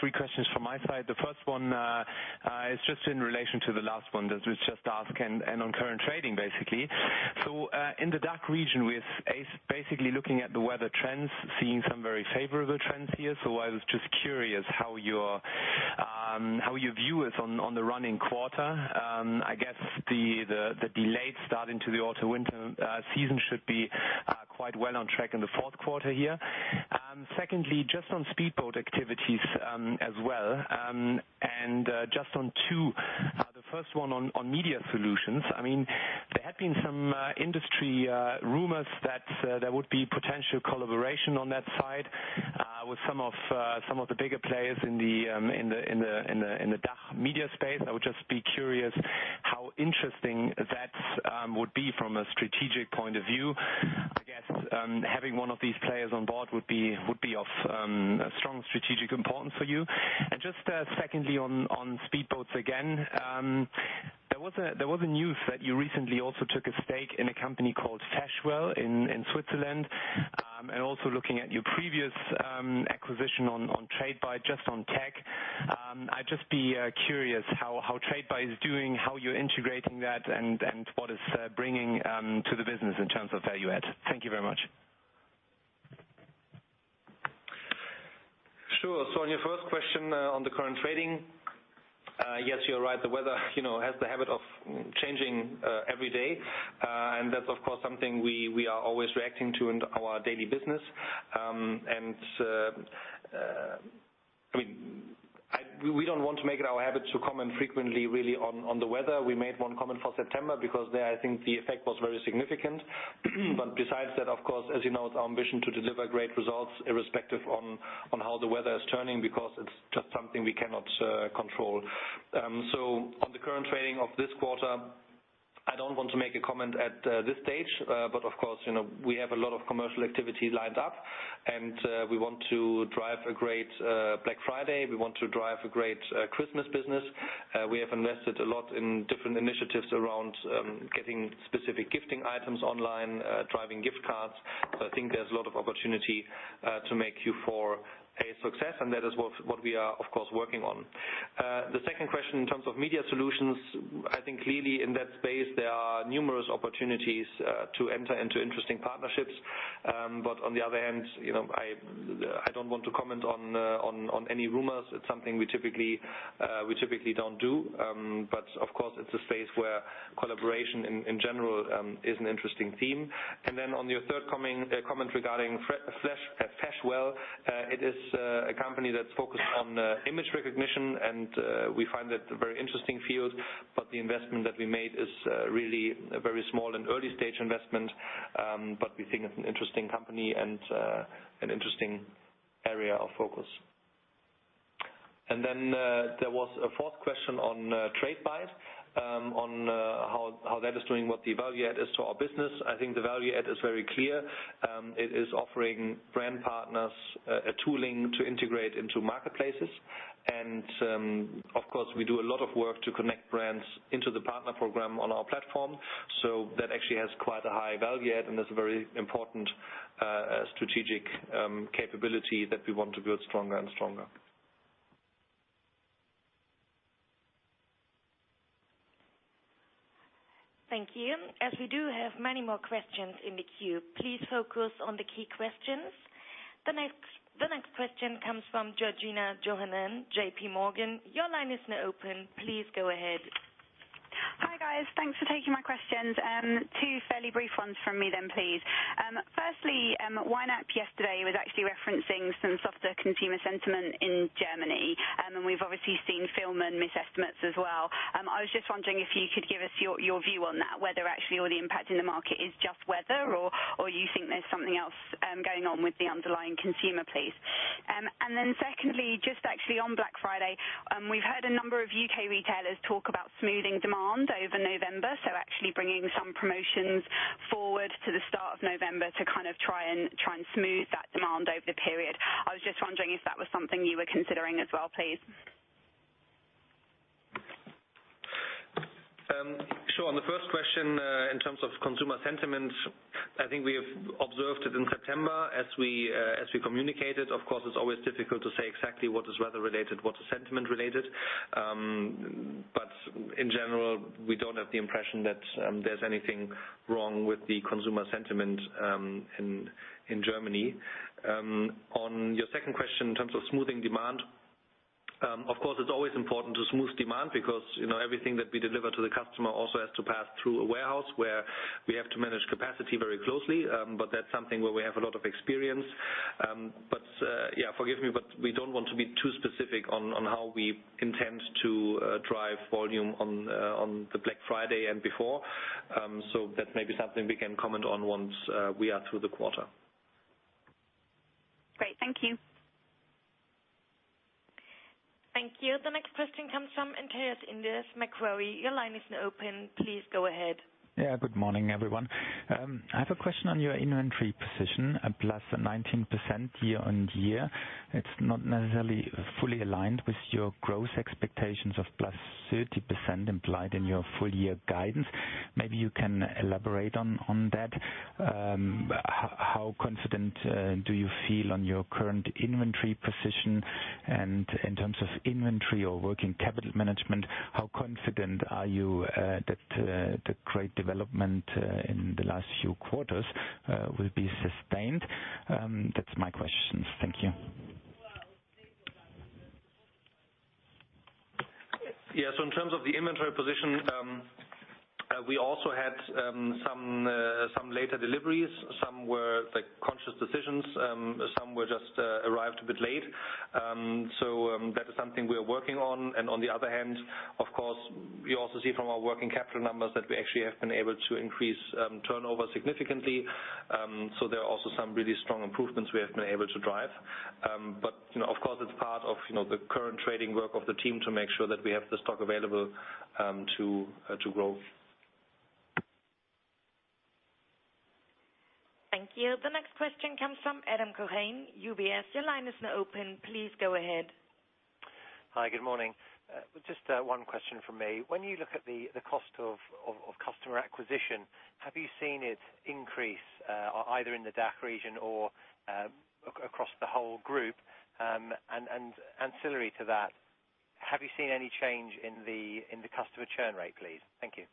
Three questions from my side. The first one is just in relation to the last one that was just asked and on current trading, basically. In the DACH region, we are basically looking at the weather trends, seeing some very favorable trends here. I was just curious how your view is on the running quarter. I guess the delayed start into the autumn-winter season should be quite well on track in the fourth quarter here. Secondly, just on speedboat activities as well and just on two. The first one on media solutions. There have been some industry rumors that there would be potential collaboration on that side with some of the bigger players in the DACH media space. I would just be curious how interesting that would be from a strategic point of view. I guess, having one of these players on board would be of strong strategic importance for you. Just secondly, on speedboats again. There was a news that you recently also took a stake in a company called Fashwell in Switzerland. Also looking at your previous acquisition on Tradebyte just on tech. I'd just be curious how Tradebyte is doing, how you're integrating that, and what it's bringing to the business in terms of value add. Thank you very much. Sure. On your first question on the current trading, yes, you're right. The weather has the habit of changing every day. That's, of course, something we are always reacting to in our daily business. We don't want to make it our habit to comment frequently really on the weather. We made one comment for September because there, I think, the effect was very significant. Besides that, of course, as you know, it's our ambition to deliver great results irrespective on how the weather is turning because it's just something we cannot control. On the current trading of this quarter, I don't want to make a comment at this stage. Of course, we have a lot of commercial activity lined up, and we want to drive a great Black Friday. We want to drive a great Christmas business. We have invested a lot in different initiatives around getting specific gifting items online, driving gift cards. I think there's a lot of opportunity to make Q4 a success, and that is what we are, of course, working on. The second question in terms of media solutions, I think clearly in that space, there are numerous opportunities to enter into interesting partnerships. On the other hand, I don't want to comment on any rumors. It's something we typically don't do. Of course, it's a space where collaboration in general is an interesting theme. On your third comment regarding Fashwell, it is a company that's focused on image recognition, and we find that a very interesting field, but the investment that we made is really a very small and early-stage investment. We think it's an interesting company and an interesting area of focus. There was a fourth question on Tradebyte, on how that is doing, what the value add is to our business. I think the value add is very clear. It is offering brand partners a tooling to integrate into marketplaces. Of course, we do a lot of work to connect brands into the partner program on our platform. That actually has quite a high value add and is a very important strategic capability that we want to build stronger and stronger. Thank you. As we do have many more questions in the queue, please focus on the key questions. The next question comes from Georgina Johanan, JPMorgan. Your line is now open. Please go ahead. Hi, guys. Thanks for taking my questions. Two fairly brief ones from me then, please. Firstly, Weinert yesterday was actually referencing some softer consumer sentiment in Germany, and we've obviously seen Fielmann's misestimates as well. I was just wondering if you could give us your view on that, whether actually all the impact in the market is just weather or you think there's something else going on with the underlying consumer, please. Secondly, just actually on Black Friday, we've heard a number of U.K. retailers talk about smoothing demand over November, so actually bringing some promotions forward to the start of November to try and smooth that demand over the period. I was just wondering if that was something you were considering as well, please. Sure. On the first question, in terms of consumer sentiment, I think we have observed it in September as we communicated. Of course, it's always difficult to say exactly what is weather-related, what is sentiment related. In general, we don't have the impression that there's anything wrong with the consumer sentiment in Germany. On your second question, in terms of smoothing demand, of course, it's always important to smooth demand because everything that we deliver to the customer also has to pass through a warehouse where we have to manage capacity very closely. That's something where we have a lot of experience. Forgive me, but we don't want to be too specific on how we intend to drive volume on the Black Friday and before. That may be something we can comment on once we are through the quarter. Great. Thank you. Thank you. The next question comes from Antonios Indris, Macquarie. Your line is now open. Please go ahead. Good morning, everyone. I have a question on your inventory position, a +19% year-on-year. It's not necessarily fully aligned with your growth expectations of +30% implied in your full year guidance. Maybe you can elaborate on that. How confident do you feel on your current inventory position? In terms of inventory or working capital management, how confident are you that the great development in the last few quarters will be sustained? That's my questions. Thank you. In terms of the inventory position, we also had some later deliveries. Some were conscious decisions. Some just arrived a bit late. That is something we are working on. On the other hand, of course, we also see from our working capital numbers that we actually have been able to increase turnover significantly. There are also some really strong improvements we have been able to drive. Of course, it's part of the current trading work of the team to make sure that we have the stock available to grow. Thank you. The next question comes from Adam Cochrane, UBS. Your line is now open. Please go ahead. Hi. Good morning. Just one question from me. When you look at the cost of customer acquisition, have you seen it increase, either in the DACH region or across the whole group? Ancillary to that, have you seen any change in the customer churn rate, please? Thank you.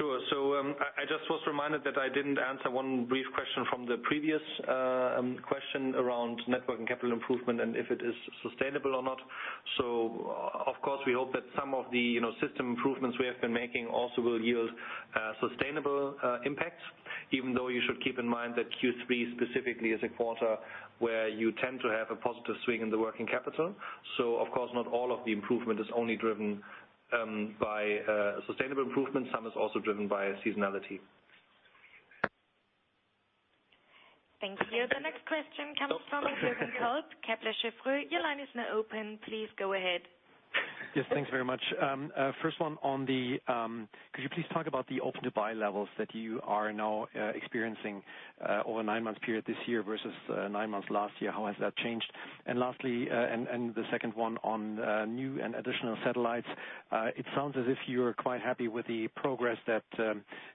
I just was reminded that I didn't answer one brief question from the previous question around network and capital improvement and if it is sustainable or not. Of course, we hope that some of the system improvements we have been making also will yield sustainable impacts, even though you should keep in mind that Q3 specifically is a quarter where you tend to have a positive swing in the working capital. Of course, not all of the improvement is only driven by sustainable improvement. Some is also driven by seasonality. Thank you. The next question comes from Eugen Alt, Kepler Cheuvreux. Your line is now open. Please go ahead. Yes, thanks very much. First one, could you please talk about the open-to-buy levels that you are now experiencing over a nine-month period this year versus nine months last year? How has that changed? The second one on new and additional satellites. It sounds as if you're quite happy with the progress that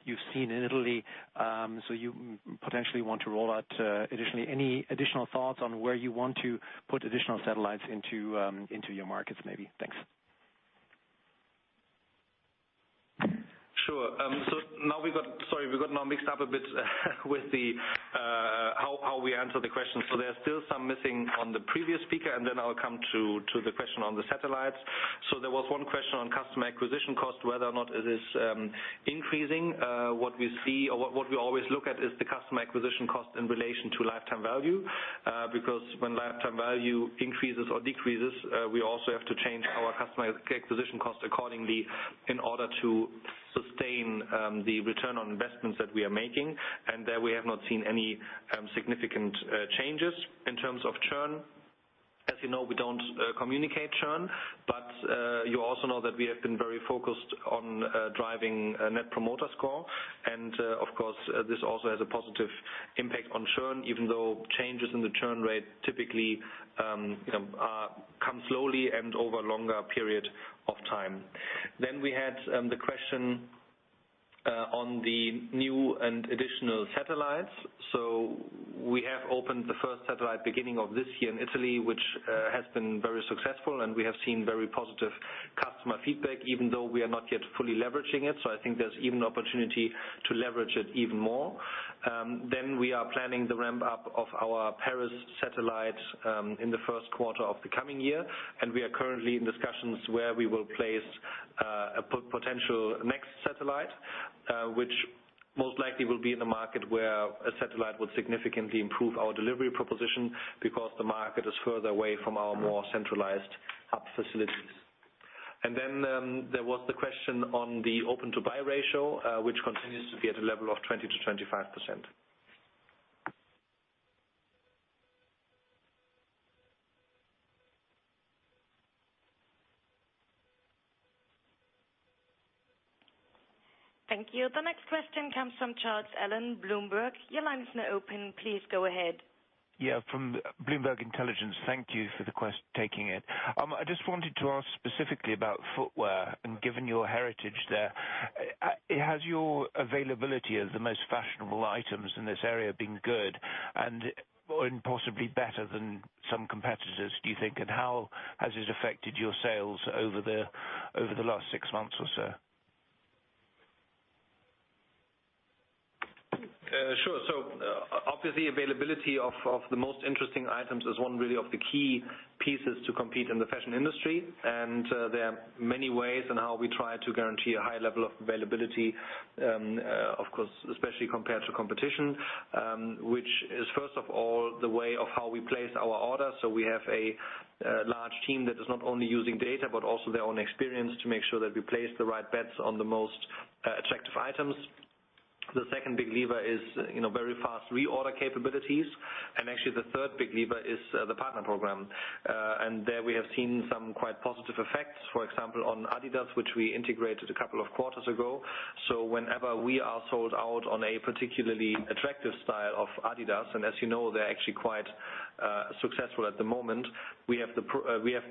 you've seen in Italy, so you potentially want to roll out additionally. Any additional thoughts on where you want to put additional satellites into your markets, maybe? Thanks. Sure. Sorry, we got now mixed up a bit with how we answer the questions. There are still some missing on the previous speaker, and then I'll come to the question on the satellites. There was one question on customer acquisition cost, whether or not it is increasing. What we always look at is the customer acquisition cost in relation to lifetime value. Because when lifetime value increases or decreases, we also have to change our customer acquisition cost accordingly in order to sustain the return on investments that we are making. There, we have not seen any significant changes in terms of churn. As you know, we don't communicate churn, but you also know that we have been very focused on driving net promoter score. This also has a positive impact on churn, even though changes in the churn rate typically come slowly and over a longer period of time. We had the question on the new and additional satellites. We have opened the first satellite beginning of this year in Italy, which has been very successful, and we have seen very positive customer feedback, even though we are not yet fully leveraging it. I think there's even opportunity to leverage it even more. We are planning the ramp-up of our Paris satellite in the first quarter of the coming year, and we are currently in discussions where we will place a potential next satellite, which most likely will be in a market where a satellite would significantly improve our delivery proposition because the market is further away from our more centralized hub facilities. There was the question on the open-to-buy ratio, which continues to be at a level of 20%-25%. Thank you. The next question comes from Charles Allen, Bloomberg. Your line is now open. Please go ahead. From Bloomberg Intelligence. Thank you for taking it. I just wanted to ask specifically about footwear and given your heritage there, has your availability of the most fashionable items in this area been good and possibly better than some competitors, do you think? How has it affected your sales over the last six months or so? Sure. Obviously, availability of the most interesting items is one really of the key pieces to compete in the fashion industry. There are many ways on how we try to guarantee a high level of availability, of course, especially compared to competition, which is, first of all, the way of how we place our order. We have a large team that is not only using data, but also their own experience to make sure that we place the right bets on the most attractive items. The second big lever is very fast reorder capabilities. Actually, the third big lever is the partner program. There we have seen some quite positive effects, for example, on Adidas, which we integrated a couple of quarters ago. Whenever we are sold out on a particularly attractive style of Adidas, and as you know, they're actually quite successful at the moment, we have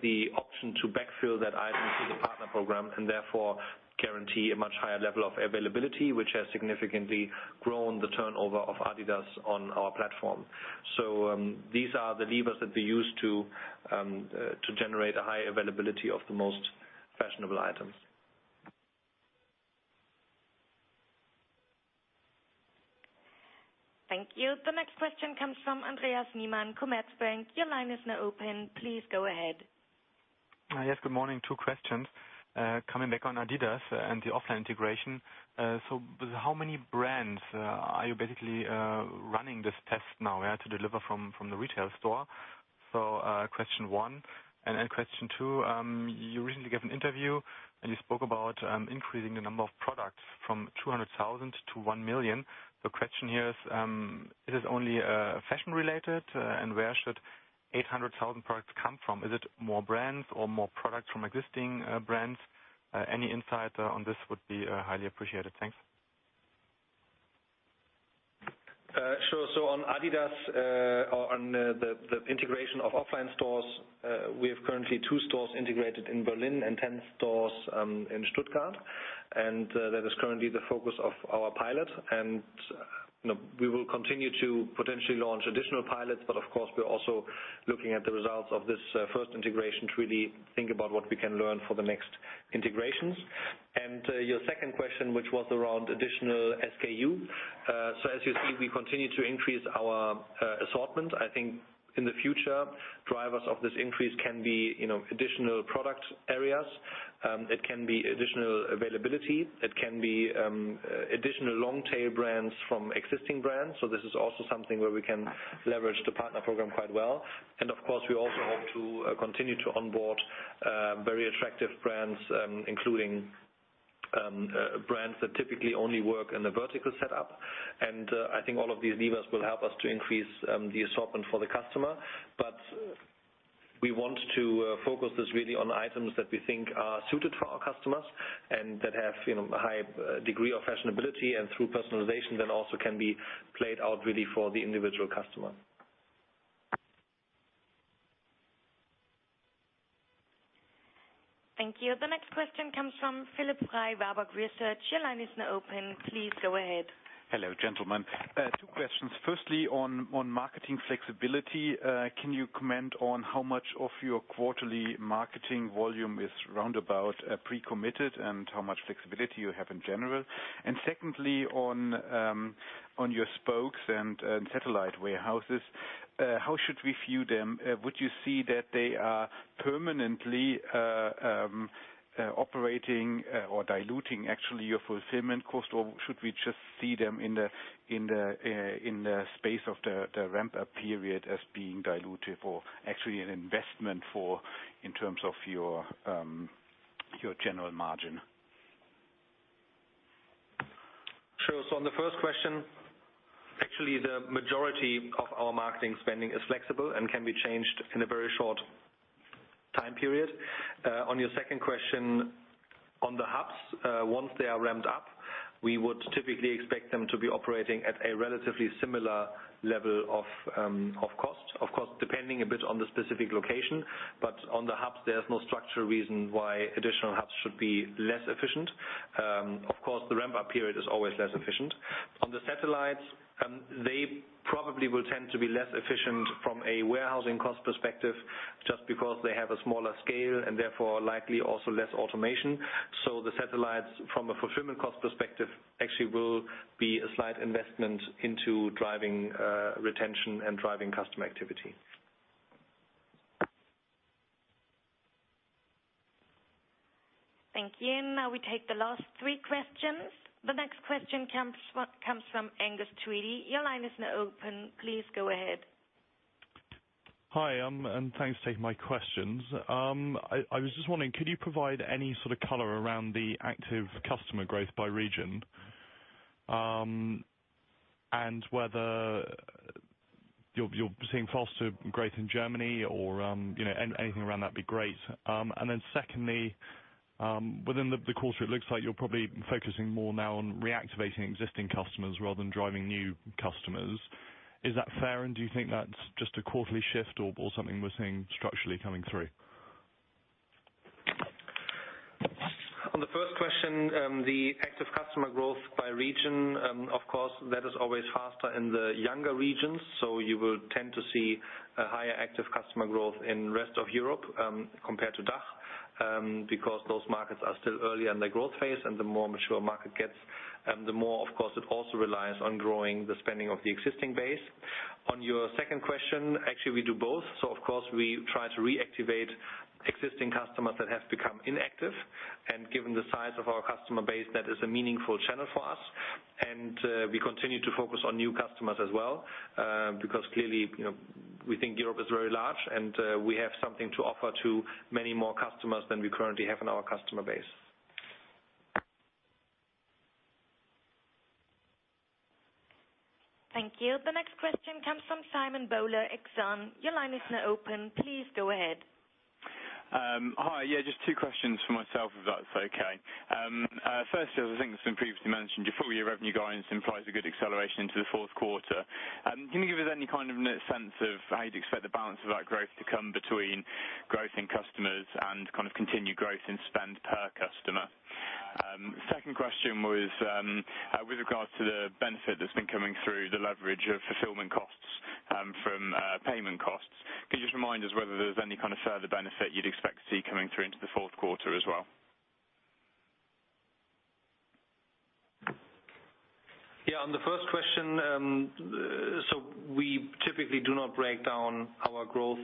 the option to backfill that item through the partner program and therefore guarantee a much higher level of availability, which has significantly grown the turnover of Adidas on our platform. These are the levers that we use to generate a high availability of the most fashionable items. Thank you. The next question comes from Andreas Riemann, Commerzbank. Your line is now open. Please go ahead. Yes. Good morning. Two questions. Coming back on Adidas and the offline integration. How many brands are you basically running this test now to deliver from the retail store? Question one. Question two, you recently gave an interview and you spoke about increasing the number of products from 200,000 to 1 million. The question here is, it is only fashion related and where should 800,000 products come from? Is it more brands or more products from existing brands? Any insight on this would be highly appreciated. Thanks. Sure. On Adidas, on the integration of offline stores, we have currently two stores integrated in Berlin and 10 stores in Stuttgart, That is currently the focus of our pilot. We will continue to potentially launch additional pilots. Of course, we're also looking at the results of this first integration to really think about what we can learn for the next integrations. Your second question, which was around additional SKU. As you see, we continue to increase our assortment. I think in the future, drivers of this increase can be additional product areas. It can be additional availability, it can be additional long-tail brands from existing brands. This is also something where we can leverage the partner program quite well. Of course, we also hope to continue to onboard very attractive brands, including brands that typically only work in a vertical setup. I think all of these levers will help us to increase the assortment for the customer. We want to focus this really on items that we think are suited for our customers and that have a high degree of fashionability and through personalization then also can be played out really for the individual customer. Thank you. The next question comes from Philipp Frey, Warburg Research. Your line is now open. Please go ahead. Hello, gentlemen. Two questions. Firstly, on marketing flexibility, can you comment on how much of your quarterly marketing volume is roundabout pre-committed and how much flexibility you have in general? Secondly, on your spokes and satellite warehouses, how should we view them? Would you see that they are permanently operating or diluting actually your fulfillment cost? Should we just see them in the space of the ramp-up period as being diluted or actually an investment in terms of your general margin? Sure. On the first question, actually, the majority of our marketing spending is flexible and can be changed in a very short time period. On your second question, on the hubs, once they are ramped up, we would typically expect them to be operating at a relatively similar level of cost. Of course, depending a bit on the specific location. On the hubs, there's no structural reason why additional hubs should be less efficient. Of course, the ramp-up period is always less efficient. On the satellites, they probably will tend to be less efficient from a warehousing cost perspective, just because they have a smaller scale and therefore likely also less automation. The satellites from a fulfillment cost perspective actually will be a slight investment into driving retention and driving customer activity. Thank you. We take the last three questions. The next question comes from Angus Tweedie. Your line is now open. Please go ahead. Hi, thanks for taking my questions. I was just wondering, could you provide any sort of color around the active customer growth by region? Whether you're seeing faster growth in Germany or anything around that would be great. Secondly, within the quarter, it looks like you're probably focusing more now on reactivating existing customers rather than driving new customers. Is that fair, and do you think that's just a quarterly shift or something we're seeing structurally coming through? On the first question, the active customer growth by region, of course, that is always faster in the younger regions. You will tend to see a higher active customer growth in rest of Europe compared to DACH because those markets are still early in their growth phase and the more mature market gets, the more, of course, it also relies on growing the spending of the existing base. On your second question, actually, we do both. Of course, we try to reactivate existing customers that have become inactive. Given the size of our customer base, that is a meaningful channel for us. We continue to focus on new customers as well, because clearly, we think Europe is very large, and we have something to offer to many more customers than we currently have in our customer base. Thank you. The next question comes from Simon Bowler, Exane. Your line is now open. Please go ahead. Hi. Yeah, just two questions from myself, if that's okay. First is, I think it's been previously mentioned, your full-year revenue guidance implies a good acceleration into the fourth quarter. Can you give us any kind of sense of how you'd expect the balance of that growth to come between growth in customers and continued growth in spend per customer? Second question was with regards to the benefit that's been coming through the leverage of fulfillment costs from payment costs. Could you just remind us whether there's any kind of further benefit you'd expect to see coming through into the fourth quarter as well? Yeah, on the first question, we typically do not break down our growth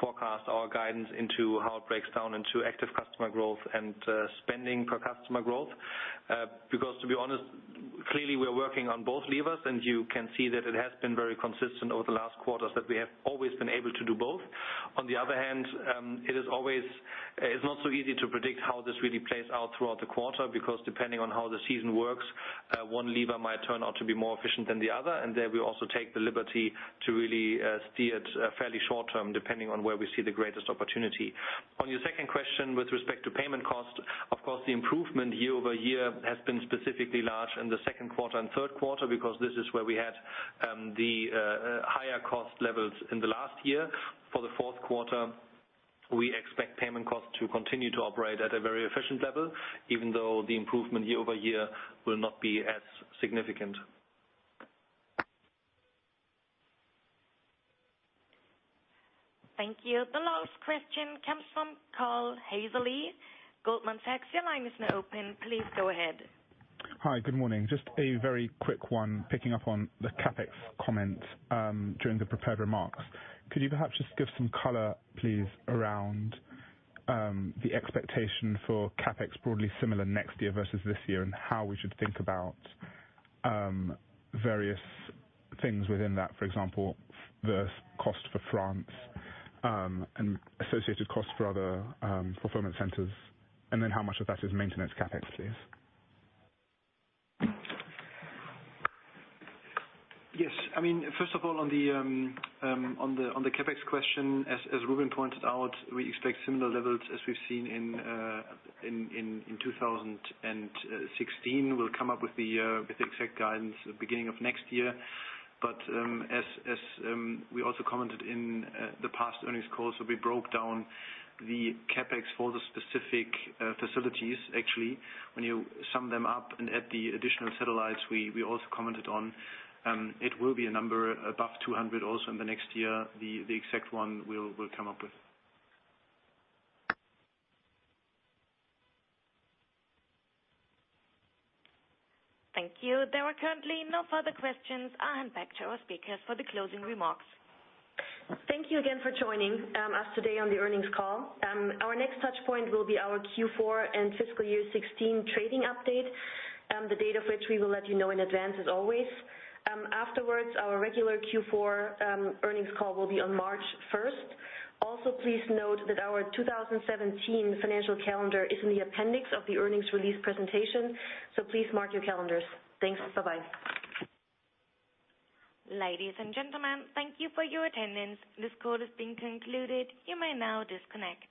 forecast, our guidance into how it breaks down into active customer growth and spending per customer growth. Because to be honest, clearly, we are working on both levers, and you can see that it has been very consistent over the last quarters that we have always been able to do both. On the other hand, it's not so easy to predict how this really plays out throughout the quarter because depending on how the season works, one lever might turn out to be more efficient than the other, and there we also take the liberty to really steer it fairly short term, depending on where we see the greatest opportunity. On your second question with respect to payment cost, of course, the improvement year-over-year has been specifically large in the second quarter and third quarter because this is where we had the higher cost levels in the last year. For the fourth quarter, we expect payment costs to continue to operate at a very efficient level, even though the improvement year-over-year will not be as significant. Thank you. The last question comes from Carl Hazeley, Goldman Sachs. Your line is now open. Please go ahead. Hi. Good morning. Just a very quick one, picking up on the CapEx comment during the prepared remarks. Could you perhaps just give some color, please, around the expectation for CapEx broadly similar next year versus this year, and how we should think about various things within that, for example, the cost for France, and associated costs for other fulfillment centers? How much of that is maintenance CapEx, please? Yes. First of all, on the CapEx question, as Rubin pointed out, we expect similar levels as we've seen in 2016. We'll come up with the exact guidance at the beginning of next year. As we also commented in the past earnings calls, we broke down the CapEx for the specific facilities, actually. When you sum them up and add the additional satellites we also commented on, it will be a number above 200 also in the next year. The exact one we'll come up with. Thank you. There are currently no further questions. I hand back to our speakers for the closing remarks. Thank you again for joining us today on the earnings call. Our next touch point will be our Q4 and fiscal year 2016 trading update. The date of which we will let you know in advance as always. Afterwards, our regular Q4 earnings call will be on March 1st. Also, please note that our 2017 financial calendar is in the appendix of the earnings release presentation. Please mark your calendars. Thanks. Bye-bye. Ladies and gentlemen, thank you for your attendance. This call has been concluded. You may now disconnect.